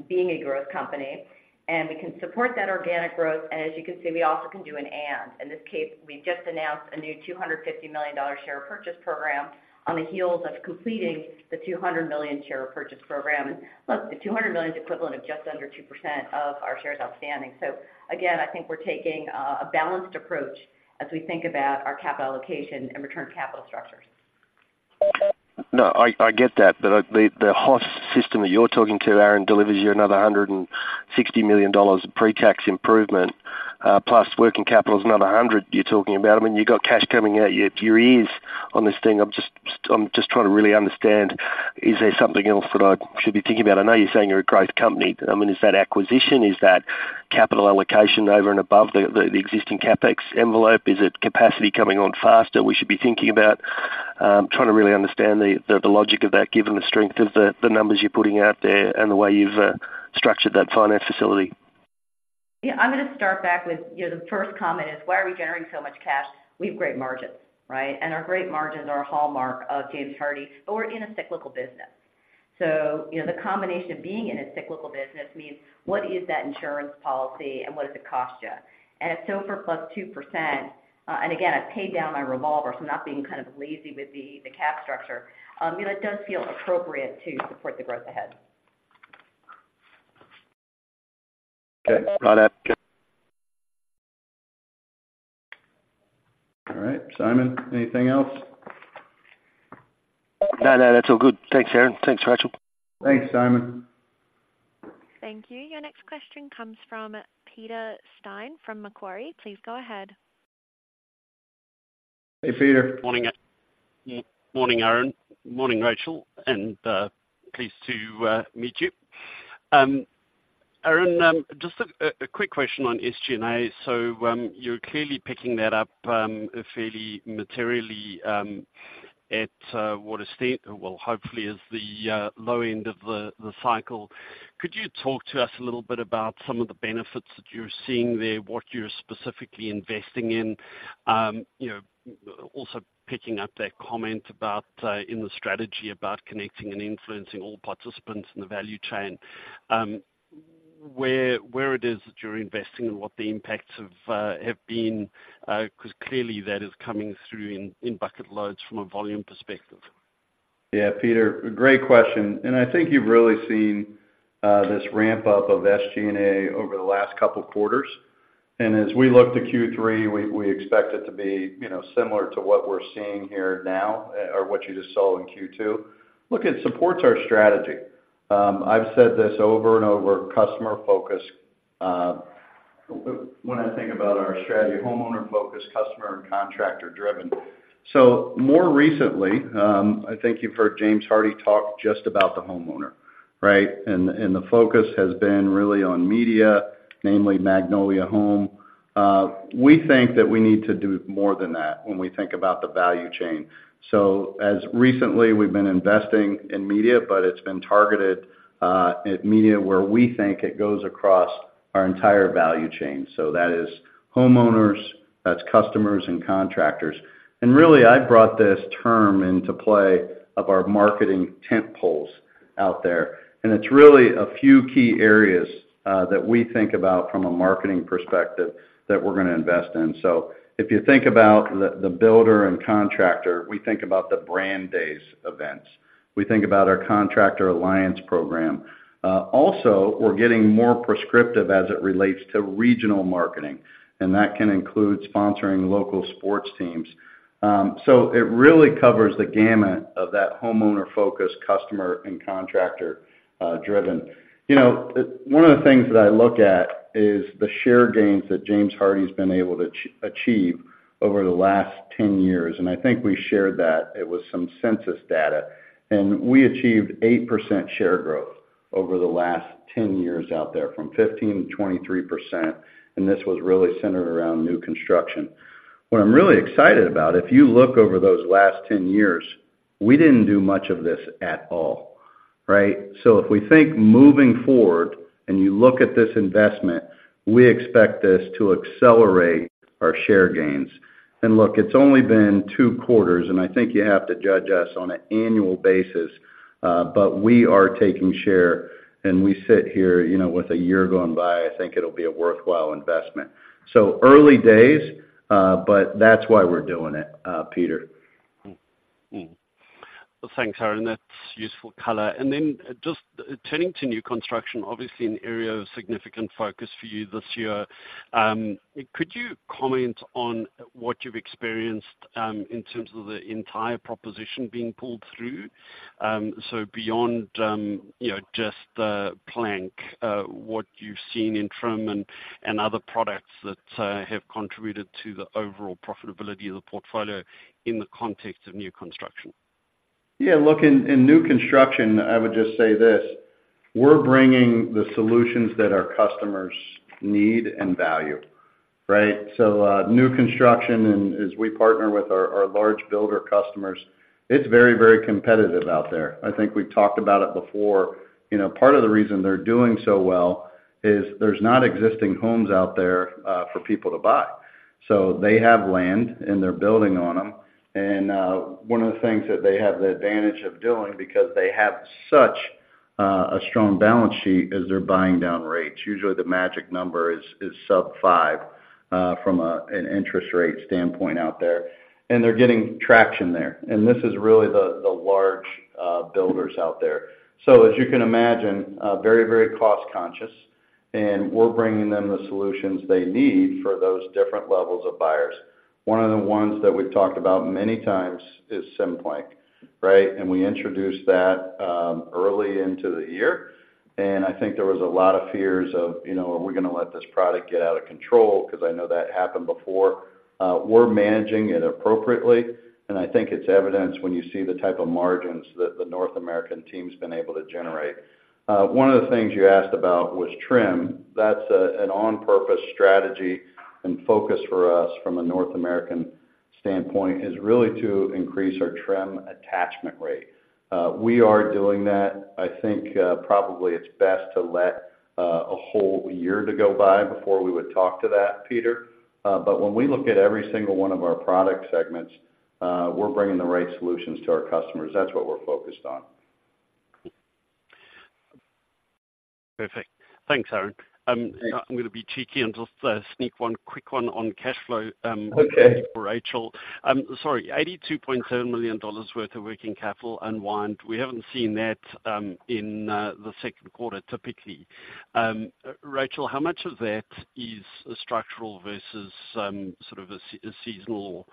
being a growth company. And we can support that organic growth, and as you can see, we also can do an and. In this case, we've just announced a new $250 million share purchase program on the heels of completing the $200 million share purchase program. Look, the $200 million is equivalent of just under 2% of our shares outstanding. So again, I think we're taking a balanced approach as we think about our capital allocation and return capital structures.
No, I get that, but the HOS system that you're talking to, Aaron, delivers you another $160 million pre-tax improvement, plus working capital is another $100 million you're talking about. I mean, you got cash coming out your ears on this thing. I'm just trying to really understand, is there something else that I should be thinking about? I know you're saying you're a growth company. I mean, is that acquisition, is that capital allocation over and above the existing CapEx envelope? Is it capacity coming on faster we should be thinking about? Trying to really understand the logic of that, given the strength of the numbers you're putting out there and the way you've structured that finance facility.
Yeah, I'm gonna start back with, you know, the first comment is: Why are we generating so much cash? We have great margins, right? And our great margins are a hallmark of James Hardie, but we're in a cyclical business. So, you know, the combination of being in a cyclical business means, what is that insurance policy and what does it cost you? And if so, for plus 2%, and again, I've paid down my revolver, so I'm not being kind of lazy with the, the cap structure. You know, it does feel appropriate to support the growth ahead.
Okay, got it.
All right, Simon, anything else?
No, no, that's all good. Thanks, Aaron. Thanks, Rachel.
Thanks, Simon.
Thank you. Your next question comes from Peter Steyn, from Macquarie. Please go ahead.
Hey, Peter.
Morning, Aaron. Morning, Rachel, and pleased to meet you. Aaron, just a quick question on SG&A. So, you're clearly picking that up fairly materially at what estate—well, hopefully is the low end of the cycle. Could you talk to us a little bit about some of the benefits that you're seeing there, what you're specifically investing in? You know, also picking up that comment about in the strategy about connecting and influencing all participants in the value chain. Where it is that you're investing and what the impacts of have been, 'cause clearly that is coming through in bucket loads from a volume perspective.
Yeah, Peter, great question. And I think you've really seen this ramp up of SG&A over the last couple of quarters. And as we look to Q3, we expect it to be, you know, similar to what we're seeing here now or what you just saw in Q2. Look, it supports our strategy. I've said this over and over, customer focused when I think about our strategy, homeowner focused, customer and contractor driven. So more recently, I think you've heard James Hardie talk just about the homeowner, right? And the focus has been really on media, namely Magnolia Home. We think that we need to do more than that when we think about the value chain. So as recently, we've been investing in media, but it's been targeted at media, where we think it goes across our entire value chain. So that is homeowners, that's customers and contractors. And really, I brought this term into play of our marketing tent poles out there, and it's really a few key areas that we think about from a marketing perspective that we're gonna invest in. So if you think about the builder and contractor, we think about the brand days events. We think about our Contractor Alliance program. Also, we're getting more prescriptive as it relates to regional marketing, and that can include sponsoring local sports teams. So it really covers the gamut of that homeowner focused customer and contractor driven. You know, one of the things that I look at is the share gains that James Hardie has been able to achieve over the last 10 years, and I think we shared that. It was some census data, and we achieved 8% share growth over the last 10 years out there, from 15%-23%, and this was really centered around new construction. What I'm really excited about, if you look over those last 10 years, we didn't do much of this at all, right? So if we think moving forward and you look at this investment, we expect this to accelerate our share gains. And look, it's only been 2 quarters, and I think you have to judge us on an annual basis, but we are taking share, and we sit here, you know, with a year going by, I think it'll be a worthwhile investment. So early days, but that's why we're doing it, Peter.
Mm-hmm. Well, thanks, Aaron. That's useful color. And then just turning to new construction, obviously an area of significant focus for you this year. Could you comment on what you've experienced in terms of the entire proposition being pulled through? So beyond, you know, just the plank, what you've seen in terms and other products that have contributed to the overall profitability of the portfolio in the context of new construction.
Yeah, look, in new construction, I would just say this: we're bringing the solutions that our customers need and value, right? So, new construction, and as we partner with our large builder customers, it's very, very competitive out there. I think we've talked about it before. You know, part of the reason they're doing so well is there's not existing homes out there for people to buy. So they have land, and they're building on them. And, one of the things that they have the advantage of doing, because they have such a strong balance sheet as they're buying down rates. Usually, the magic number is sub five from an interest rate standpoint out there, and they're getting traction there. And this is really the large builders out there. So as you can imagine, very, very cost conscious, and we're bringing them the solutions they need for those different levels of buyers. One of the ones that we've talked about many times is SimplLink, right? And we introduced that early into the year. And I think there was a lot of fears of, you know, are we gonna let this product get out of control? Because I know that happened before. We're managing it appropriately, and I think it's evidenced when you see the type of margins that the North American team's been able to generate. One of the things you asked about was trim. That's an on-purpose strategy and focus for us from a North American standpoint, is really to increase our trim attachment rate. We are doing that. I think, probably it's best to let a whole year to go by before we would talk to that, Peter. But when we look at every single one of our product segments, we're bringing the right solutions to our customers. That's what we're focused on.
Perfect. Thanks, Aaron.
Yeah.
I'm gonna be cheeky and just sneak one quick one on cash flow,
Okay
For Rachel. Sorry, $82.7 million worth of working capital unwind. We haven't seen that in the second quarter, typically. Rachel, how much of that is structural versus sort of a seasonal,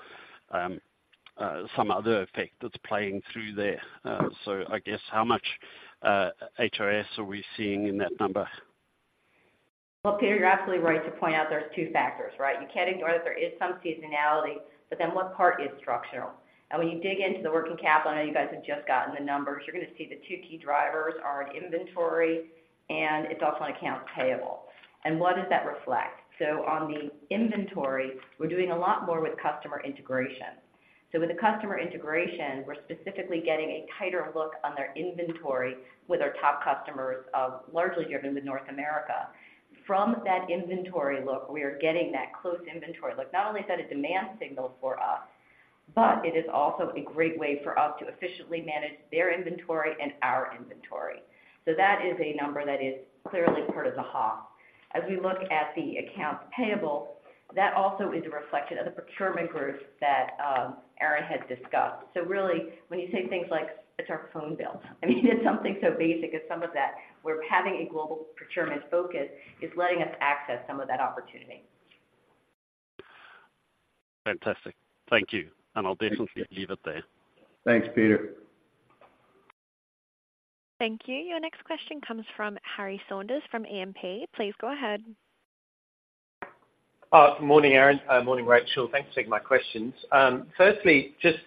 some other effect that's playing through there? So I guess, how much HOS are we seeing in that number?
Well, Peter, you're absolutely right to point out there's two factors, right? You can't ignore that there is some seasonality, but then what part is structural? And when you dig into the working capital, I know you guys have just gotten the numbers, you're gonna see the two key drivers are in inventory, and it's also on accounts payable. And what does that reflect? So on the inventory, we're doing a lot more with customer integration. So with the customer integration, we're specifically getting a tighter look on their inventory with our top customers, largely driven with North America. From that inventory look, we are getting that close inventory look. Not only is that a demand signal for us, but it is also a great way for us to efficiently manage their inventory and our inventory. So that is a number that is clearly part of the HOS. As we look at the accounts payable, that also is a reflection of the procurement group that Aaron had discussed. So really, when you say things like, it's our phone bill, I mean, it's something so basic as some of that, where having a global procurement focus is letting us access some of that opportunity.
Fantastic. Thank you, and I'll definitely leave it there.
Thanks, Peter.
Thank you. Your next question comes from Harry Saunders, from E&P. Please go ahead.
Good morning, Aaron. Morning, Rachel. Thanks for taking my questions. Firstly, just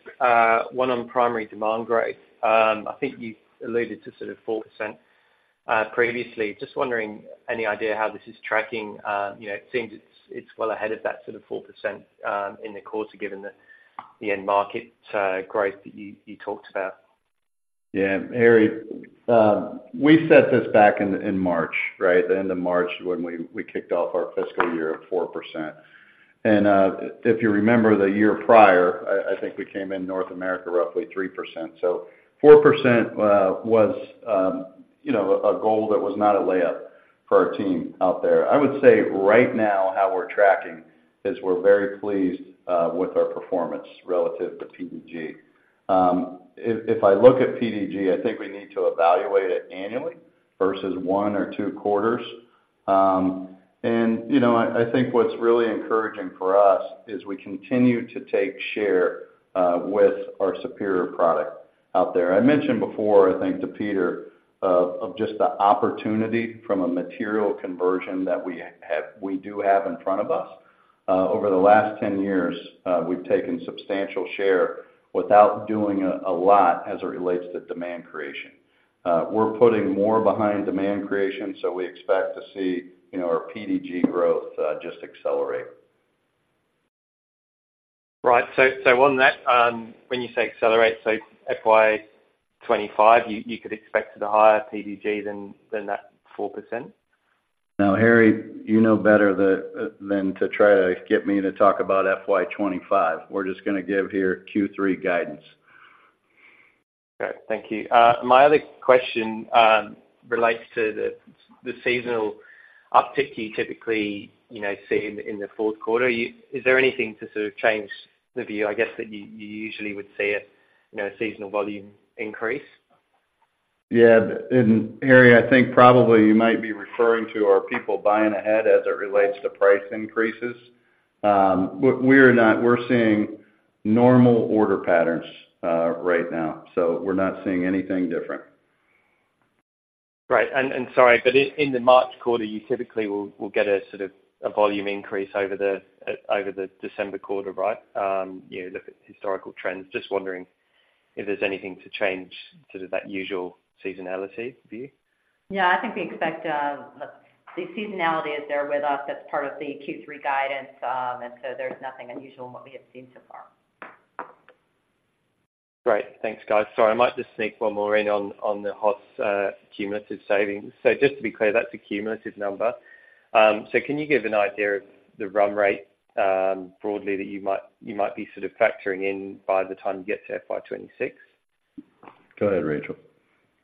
one on primary demand growth. I think you've alluded to sort of 4% previously. Just wondering, any idea how this is tracking? You know, it seems it's well ahead of that sort of 4% in the quarter, given the end market growth that you talked about.
Yeah, Harry, we set this back in March, right? The end of March, when we kicked off our fiscal year at 4%. And if you remember the year prior, I think we came in North America, roughly 3%. So 4% was, you know, a goal that was not a layup for our team out there. I would say right now, how we're tracking, is we're very pleased with our performance relative to PDG. If I look at PDG, I think we need to evaluate it annually versus one or two quarters. And, you know, I think what's really encouraging for us, is we continue to take share with our superior product out there. I mentioned before, I think to Peter, of just the opportunity from a material conversion that we have, we do have in front of us. Over the last 10 years, we've taken substantial share without doing a lot as it relates to demand creation. We're putting more behind demand creation, so we expect to see, you know, our PDG growth just accelerate.
Right. So on that, when you say accelerate, so FY 25, you could expect a higher PDG than that 4%?
Now, Harry, you know better than to try to get me to talk about FY 25. We're just gonna give here Q3 guidance.
Okay, thank you. My other question relates to the seasonal uptick you typically, you know, see in the fourth quarter. Is there anything to sort of change the view? I guess that you usually would see a, you know, seasonal volume increase.
Yeah, and Harry, I think probably you might be referring to our people buying ahead as it relates to price increases. But we're not. We're seeing normal order patterns, right now, so we're not seeing anything different.
Right. And sorry, but in the March quarter, you typically will get a sort of a volume increase over the December quarter, right? You know, look at historical trends. Just wondering if there's anything to change sort of that usual seasonality view?
Yeah, I think we expect the seasonality is there with us. That's part of the Q3 guidance, and so there's nothing unusual in what we have seen so far.
Great. Thanks, guys. Sorry, I might just sneak one more in on the HOS, cumulative savings. So just to be clear, that's a cumulative number? So can you give an idea of the run rate, broadly, that you might be sort of factoring in by the time you get to FY 2026?
Go ahead, Rachel.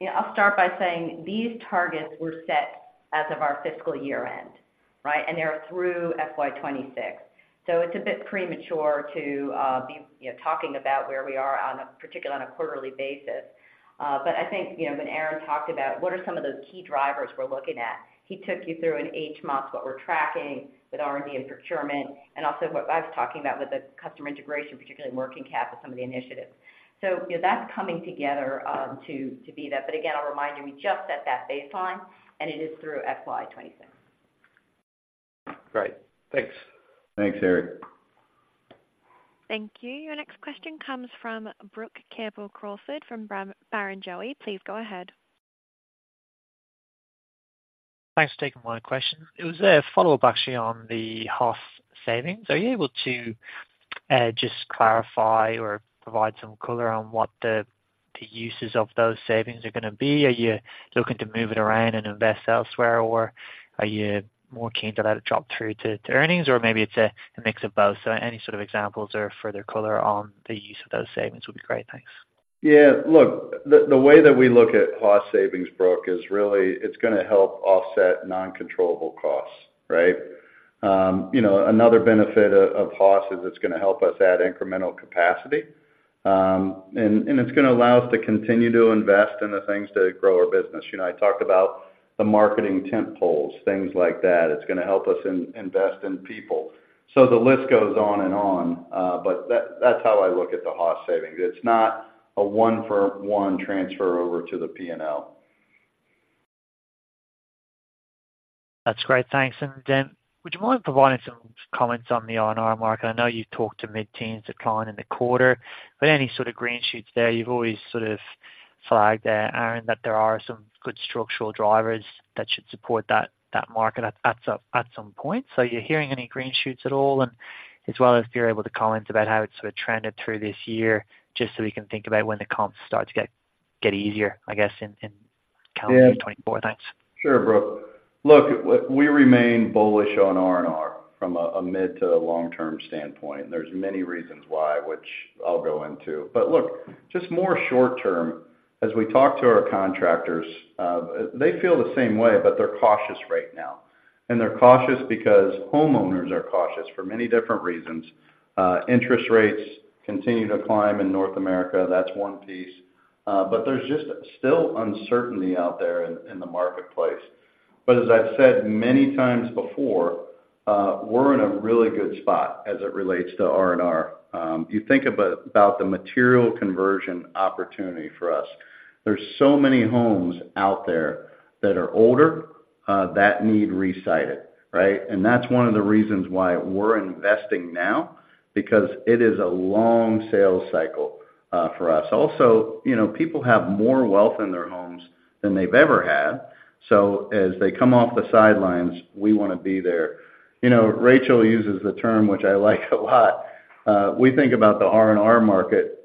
Yeah, I'll start by saying these targets were set as of our fiscal year-end, right? And they're through FY 2026. So it's a bit premature to be, you know, talking about where we are, particularly on a quarterly basis. But I think, you know, when Aaron talked about what are some of those key drivers we're looking at? He took you through an HMOS, what we're tracking with R&D and procurement, and also what I was talking about with the customer integration, particularly working capital, some of the initiatives. So, you know, that's coming together to be that. But again, I'll remind you, we just set that baseline, and it is through FY 2026.
Great. Thanks.
Thanks, Harry.
Thank you. Your next question comes from Brook Campbell-Crawford, from Barrenjoey. Please go ahead.
Thanks for taking my question. It was a follow-up, actually, on the HOS savings. Are you able to just clarify or provide some color on what the uses of those savings are gonna be? Are you looking to move it around and invest elsewhere, or are you more keen to let it drop through to earnings, or maybe it's a mix of both? So any sort of examples or further color on the use of those savings would be great. Thanks.
Yeah, look, the way that we look at HOS savings, Brooke, is really it's gonna help offset non-controllable costs, right? You know, another benefit of HOS is it's gonna help us add incremental capacity, and it's gonna allow us to continue to invest in the things that grow our business. You know, I talked about the marketing tent poles, things like that. It's gonna help us invest in people. So the list goes on and on, but that's how I look at the HOS savings. It's not a one for one transfer over to the P&L.
That's great. Thanks. And then, would you mind providing some comments on the R&R market? I know you've talked to mid-teens decline in the quarter, but any sort of green shoots there? You've always sort of flagged there, Aaron, that there are some good structural drivers that should support that market at some point. So are you hearing any green shoots at all? And as well, if you're able to comment about how it's sort of trended through this year, just so we can think about when the comps start to get easier, I guess, in-
Yeah.
calendar 2024. Thanks.
Sure, Brooke. Look, we remain bullish on R&R from a mid- to long-term standpoint, and there's many reasons why, which I'll go into. But look, just more short-term, as we talk to our contractors, they feel the same way, but they're cautious right now. And they're cautious because homeowners are cautious for many different reasons. Interest rates continue to climb in North America, that's one piece. But there's just still uncertainty out there in the marketplace. But as I've said many times before, we're in a really good spot as it relates to R&R. You think about the material conversion opportunity for us. There's so many homes out there that are older that need resided, right? And that's one of the reasons why we're investing now, because it is a long sales cycle for us. Also, you know, people have more wealth in their homes than they've ever had. So as they come off the sidelines, we wanna be there. You know, Rachel uses the term, which I like a lot, we think about the R&R market,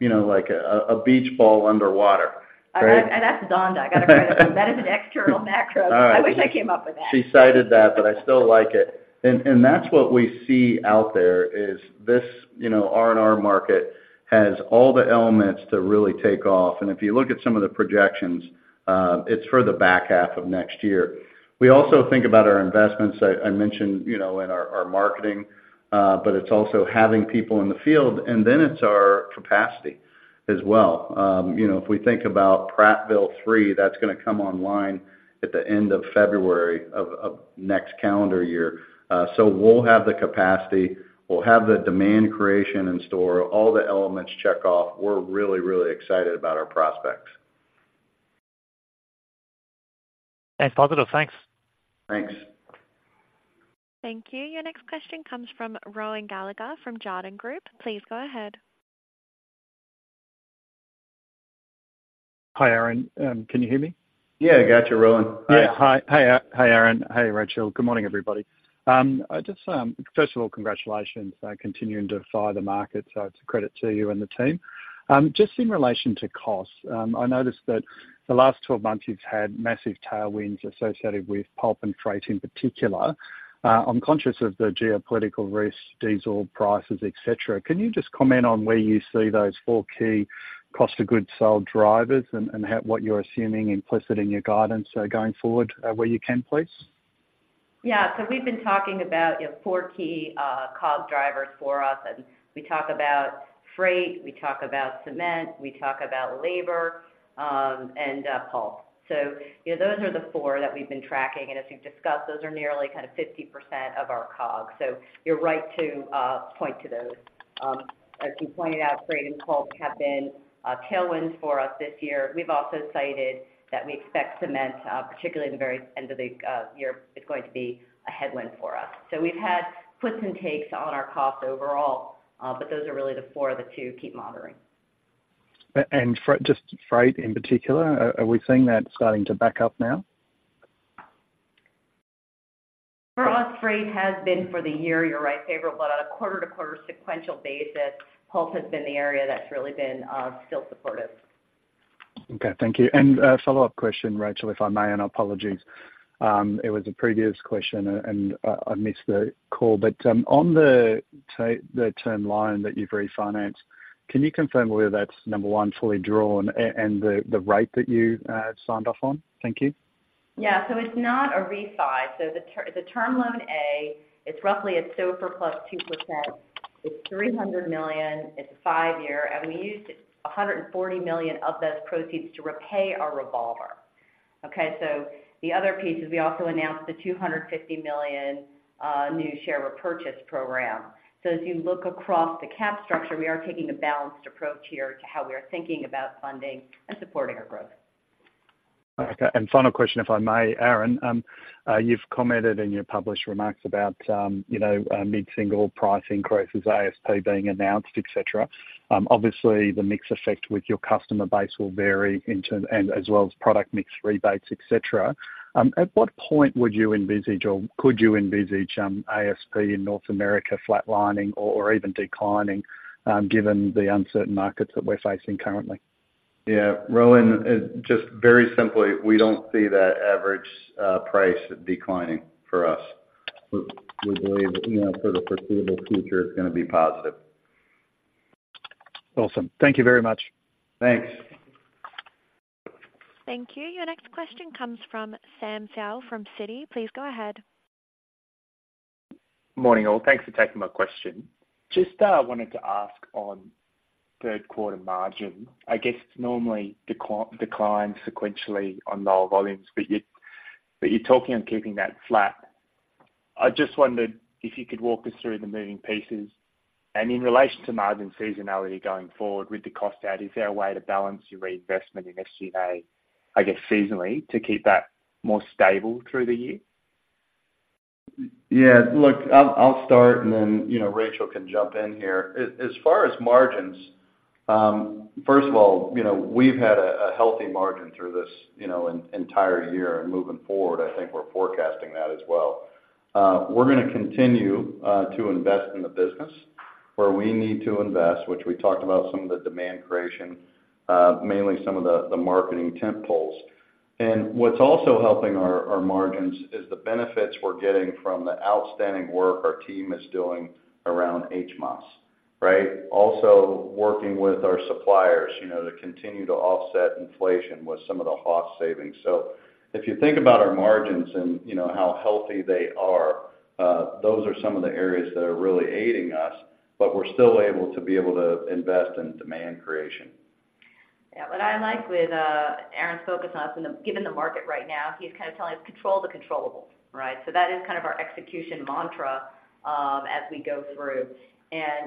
you know, like a beach ball underwater, right?
That's Zonda. I got to credit her. That is an external macro.
All right.
I wish I came up with that.
She cited that, but I still like it. And that's what we see out there, is this, you know, R&R market has all the elements to really take off, and if you look at some of the projections, it's for the back half of next year. We also think about our investments, I mentioned, you know, in our marketing, but it's also having people in the field, and then it's our capacity as well. You know, if we think about Prattville Three, that's gonna come online at the end of February of next calendar year. So we'll have the capacity, we'll have the demand creation in store, all the elements check off. We're really, really excited about our prospects.
That's positive. Thanks.
Thanks.
Thank you. Your next question comes from Rohan Gallagher, from Jarden Group. Please go ahead.
Hi, Aaron. Can you hear me?
Yeah, I got you, Rohan.
Yeah. Hi, Aaron. Hey, Rachel. Good morning, everybody. I just, first of all, congratulations on continuing to fire the market. So it's a credit to you and the team. Just in relation to costs, I noticed that the last 12 months, you've had massive tailwinds associated with pulp and freight, in particular. I'm conscious of the geopolitical risks, diesel prices, et cetera. Can you just comment on where you see those four key cost of goods sold drivers and how, what you're assuming implicit in your guidance, going forward, where you can, please?
Yeah. So we've been talking about, you know, four key COGS drivers for us, and we talk about freight, we talk about cement, we talk about labor, and pulp. So, you know, those are the four that we've been tracking, and as we've discussed, those are nearly kind of 50% of our COGS So you're right to point to those. As you pointed out, freight and pulp have been tailwinds for us this year. We've also cited that we expect cement, particularly in the very end of the year, is going to be a headwind for us. So we've had puts and takes on our costs overall, but those are really the four of the two to keep monitoring.
Freight, just freight in particular, are we seeing that starting to back up now?
For us, freight has been for the year, you're right, favorable, but on a quarter-to-quarter sequential basis, pulp has been the area that's really been still supportive.
Okay, thank you. And a follow-up question, Rachel, if I may, and apologies. It was a previous question, and I missed the call. But on the term loan that you've refinanced, can you confirm whether that's, number one, fully drawn, and the rate that you signed off on? Thank you.
Yeah. So it's not a refi. So the term loan A, it's roughly at SOFR plus 2%. It's $300 million, it's a five-year, and we used $140 million of those proceeds to repay our revolver. Okay, so the other piece is we also announced the $250 million new share repurchase program. So as you look across the cap structure, we are taking a balanced approach here to how we are thinking about funding and supporting our growth.
Okay, and final question, if I may, Aaron. You've commented in your published remarks about, you know, mid-single pricing increases, ASP being announced, et cetera. Obviously, the mix effect with your customer base will vary in term- and as well as product mix, rebates, et cetera. At what point would you envisage or could you envisage, ASP in North America flatlining or, or even declining, given the uncertain markets that we're facing currently?
Yeah, Rohan, just very simply, we don't see that average price declining for us. We, we believe, you know, for the foreseeable future, it's gonna be positive.
Awesome. Thank you very much.
Thanks.
Thank you. Your next question comes from Sam Seow from Citi. Please go ahead.
Morning, all. Thanks for taking my question. Just wanted to ask on third quarter margin, I guess, normally decline sequentially on lower volumes, but you're talking on keeping that flat. I just wondered if you could walk us through the moving pieces. And in relation to margin seasonality going forward with the cost out, is there a way to balance your reinvestment in SCA, I guess, seasonally, to keep that more stable through the year?
Yeah, look, I'll start, and then, you know, Rachel can jump in here. As far as margins, first of all, you know, we've had a healthy margin through this entire year and moving forward, I think we're forecasting that as well. We're gonna continue to invest in the business where we need to invest, which we talked about some of the demand creation, mainly some of the marketing tent poles. And what's also helping our margins is the benefits we're getting from the outstanding work our team is doing around HMOS, right? Also, working with our suppliers, you know, to continue to offset inflation with some of the HOS savings. So if you think about our margins and you know, how healthy they are, those are some of the areas that are really aiding us, but we're still able to invest in demand creation.
Yeah. What I like with Aaron's focus on, and given the market right now, he's kind of telling us, "Control the controllables," right? So that is kind of our execution mantra, as we go through.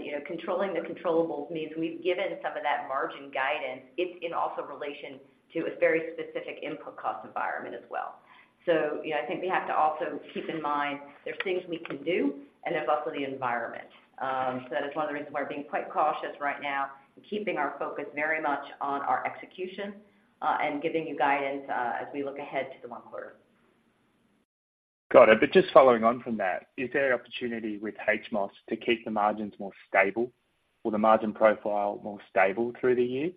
You know, controlling the controllables means we've given some of that margin guidance. It's in also relation to a very specific input cost environment as well. So, you know, I think we have to also keep in mind there's things we can do and there's also the environment. So that is one of the reasons why we're being quite cautious right now and keeping our focus very much on our execution, and giving you guidance, as we look ahead to the fourth quarter.
Got it. But just following on from that, is there opportunity with HMOS to keep the margins more stable or the margin profile more stable through the year?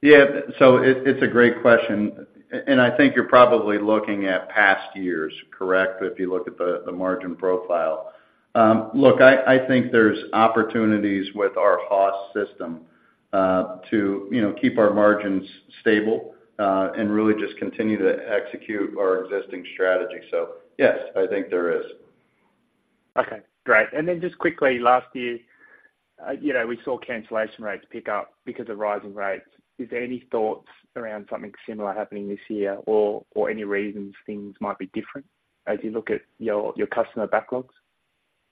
Yeah, so it's a great question. And I think you're probably looking at past years, correct? If you look at the margin profile. Look, I think there's opportunities with our HOS system to, you know, keep our margins stable and really just continue to execute our existing strategy. So yes, I think there is.
Okay, great. Then just quickly, last year, you know, we saw cancellation rates pick up because of rising rates. Is there any thoughts around something similar happening this year or, or any reasons things might be different as you look at your, your customer backlogs?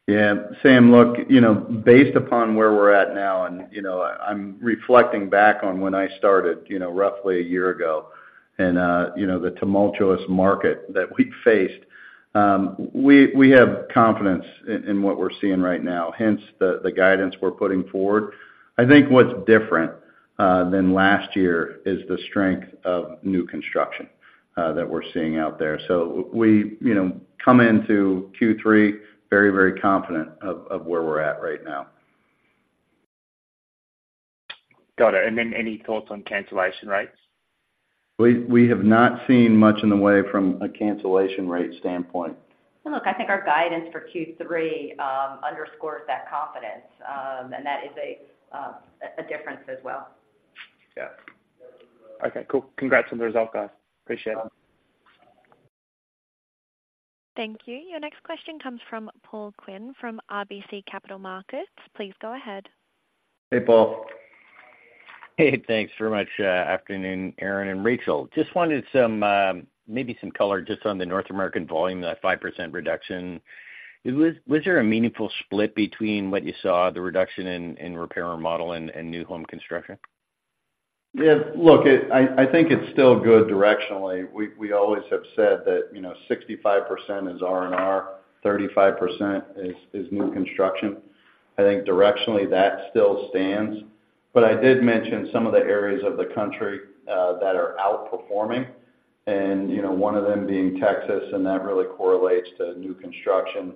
Yeah. Sam, look, you know, based upon where we're at now, and, you know, I'm reflecting back on when I started, you know, roughly a year ago and, the tumultuous market that we faced, we have confidence in what we're seeing right now, hence the guidance we're putting forward. I think what's different than last year is the strength of new construction that we're seeing out there. So we, you know, come into Q3 very, very confident of where we're at right now.
Got it. And then any thoughts on cancellation rates?
We have not seen much in the way from a cancellation rate standpoint.
Look, I think our guidance for Q3 underscores that confidence, and that is a difference as well.
Yeah.
Okay, cool. Congrats on the result, guys. Appreciate it.
Thank you. Your next question comes from Paul Quinn, from RBC Capital Markets. Please go ahead.
Hey, Paul.
Hey, thanks very much. Afternoon, Aaron and Rachel. Just wanted some, maybe some color just on the North American volume, that 5% reduction. Was there a meaningful split between what you saw, the reduction in, in repair and remodel and, and new home construction?
Yeah, look, I think it's still good directionally. We always have said that, you know, 65% is R&R, 35% is new construction. I think directionally, that still stands, but I did mention some of the areas of the country that are outperforming. And, you know, one of them being Texas, and that really correlates to new construction.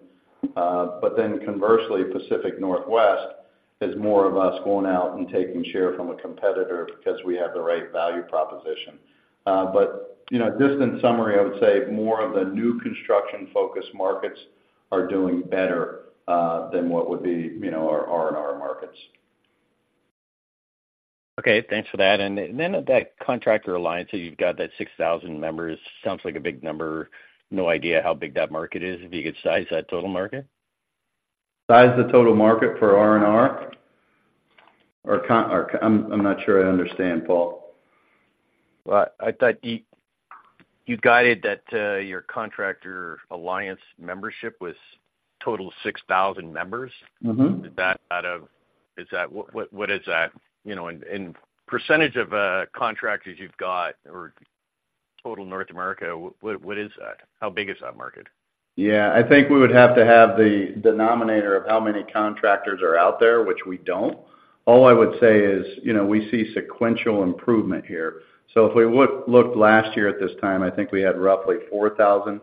But then conversely, Pacific Northwest is more of us going out and taking share from a competitor because we have the right value proposition. But, you know, just in summary, I would say more of the new construction-focused markets are doing better than what would be, you know, our R&R markets.
Okay, thanks for that. And then that Contractor Alliance, so you've got that 6,000 members. Sounds like a big number. No idea how big that market is, if you could size that total market?
Size the total market for R&R? Or, I'm not sure I understand, Paul.
Well, I thought you guided that your Contractor Alliance membership was total of 6,000 members.
Mm-hmm.
Is that out of—is that... What, what, what is that? You know, in, in percentage of, contractors you've got or total North America, what, what is that? How big is that market?
Yeah, I think we would have to have the denominator of how many contractors are out there, which we don't. All I would say is, you know, we see sequential improvement here. So if we look, looked last year at this time, I think we had roughly 4,000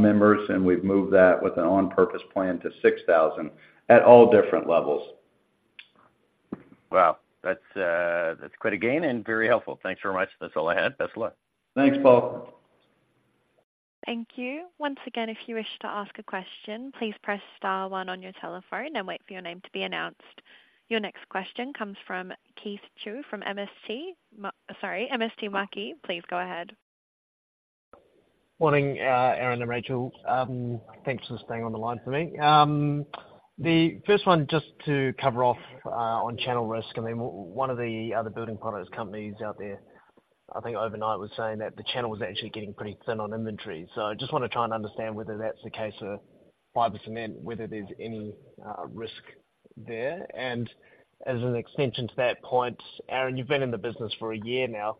members, and we've moved that with an on-purpose plan to 6,000 at all different levels.
Wow! That's, that's quite a gain and very helpful. Thanks very much. That's all I had. Best of luck.
Thanks, Paul.
Thank you. Once again, if you wish to ask a question, please press star one on your telephone and wait for your name to be announced. Your next question comes from Keith Chau from MST Marquee. Please go ahead.
Morning, Aaron and Rachel. Thanks for staying on the line for me. The first one, just to cover off on channel risk, and then one of the other building products companies out there, I think overnight, was saying that the channel was actually getting pretty thin on inventory. So I just want to try and understand whether that's the case for fiber cement, whether there's any risk there. And as an extension to that point, Aaron, you've been in the business for a year now.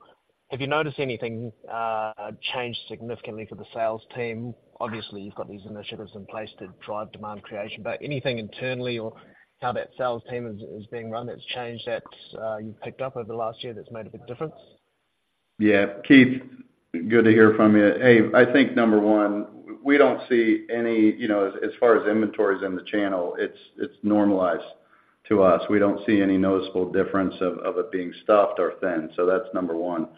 Have you noticed anything change significantly for the sales team? Obviously, you've got these initiatives in place to drive demand creation. But anything internally or how that sales team is being run that's changed that you've picked up over the last year that's made a big difference?
Yeah. Keith, good to hear from you. Hey, I think, number one, we don't see any, you know, as far as inventories in the channel, it's normalized to us. We don't see any noticeable difference of it being stuffed or thin, so that's number one.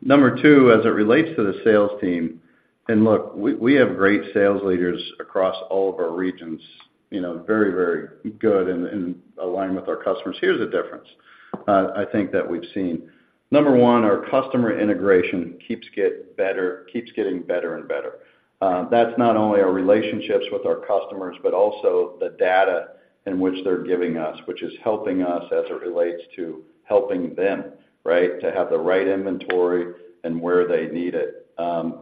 Number two, as it relates to the sales team, and look, we have great sales leaders across all of our regions, you know, very good and aligned with our customers. Here's the difference, I think that we've seen. Number one, our customer integration keeps getting better and better. That's not only our relationships with our customers, but also the data in which they're giving us, which is helping us as it relates to helping them, right? To have the right inventory and where they need it.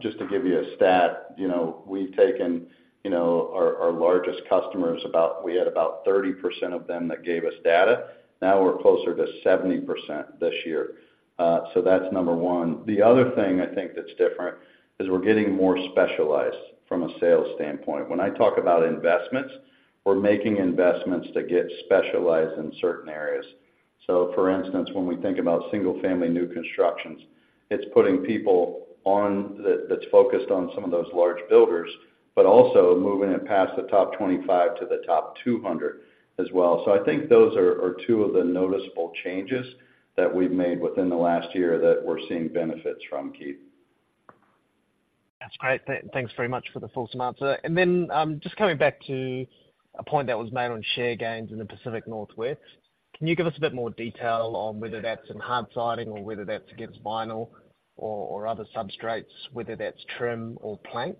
Just to give you a stat, you know, we've taken, you know, our, our largest customers about... We had about 30% of them that gave us data. Now, we're closer to 70% this year. So that's number one. The other thing I think that's different is we're getting more specialized from a sales standpoint. When I talk about investments, we're making investments that get specialized in certain areas. So for instance, when we think about single-family new constructions, it's putting people on that, that's focused on some of those large builders, but also moving it past the top 25 to the top 200 as well. So I think those are, are two of the noticeable changes that we've made within the last year that we're seeing benefits from, Keith.
That's great. Thanks very much for the full answer. And then, just coming back to a point that was made on share gains in the Pacific Northwest. Can you give us a bit more detail on whether that's in hard siding or whether that's against vinyl or other substrates, whether that's trim or plank?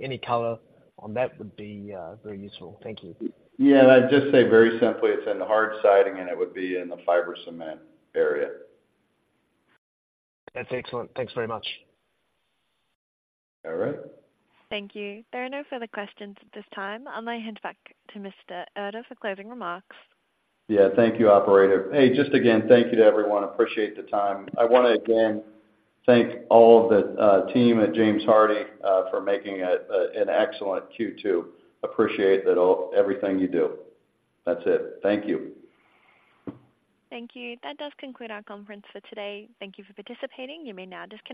Any color on that would be very useful. Thank you.
Yeah, and I'd just say very simply, it's in the Hardie siding, and it would be in the fiber cement area.
That's excellent. Thanks very much.
All right.
Thank you. There are no further questions at this time. I'll now hand it back to Mr. Erter for closing remarks.
Yeah. Thank you, operator. Hey, just again, thank you to everyone. Appreciate the time. I want to again thank all of the team at James Hardie for making an excellent Q2. Appreciate it all, everything you do. That's it. Thank you.
Thank you. That does conclude our conference for today. Thank you for participating. You may now disconnect.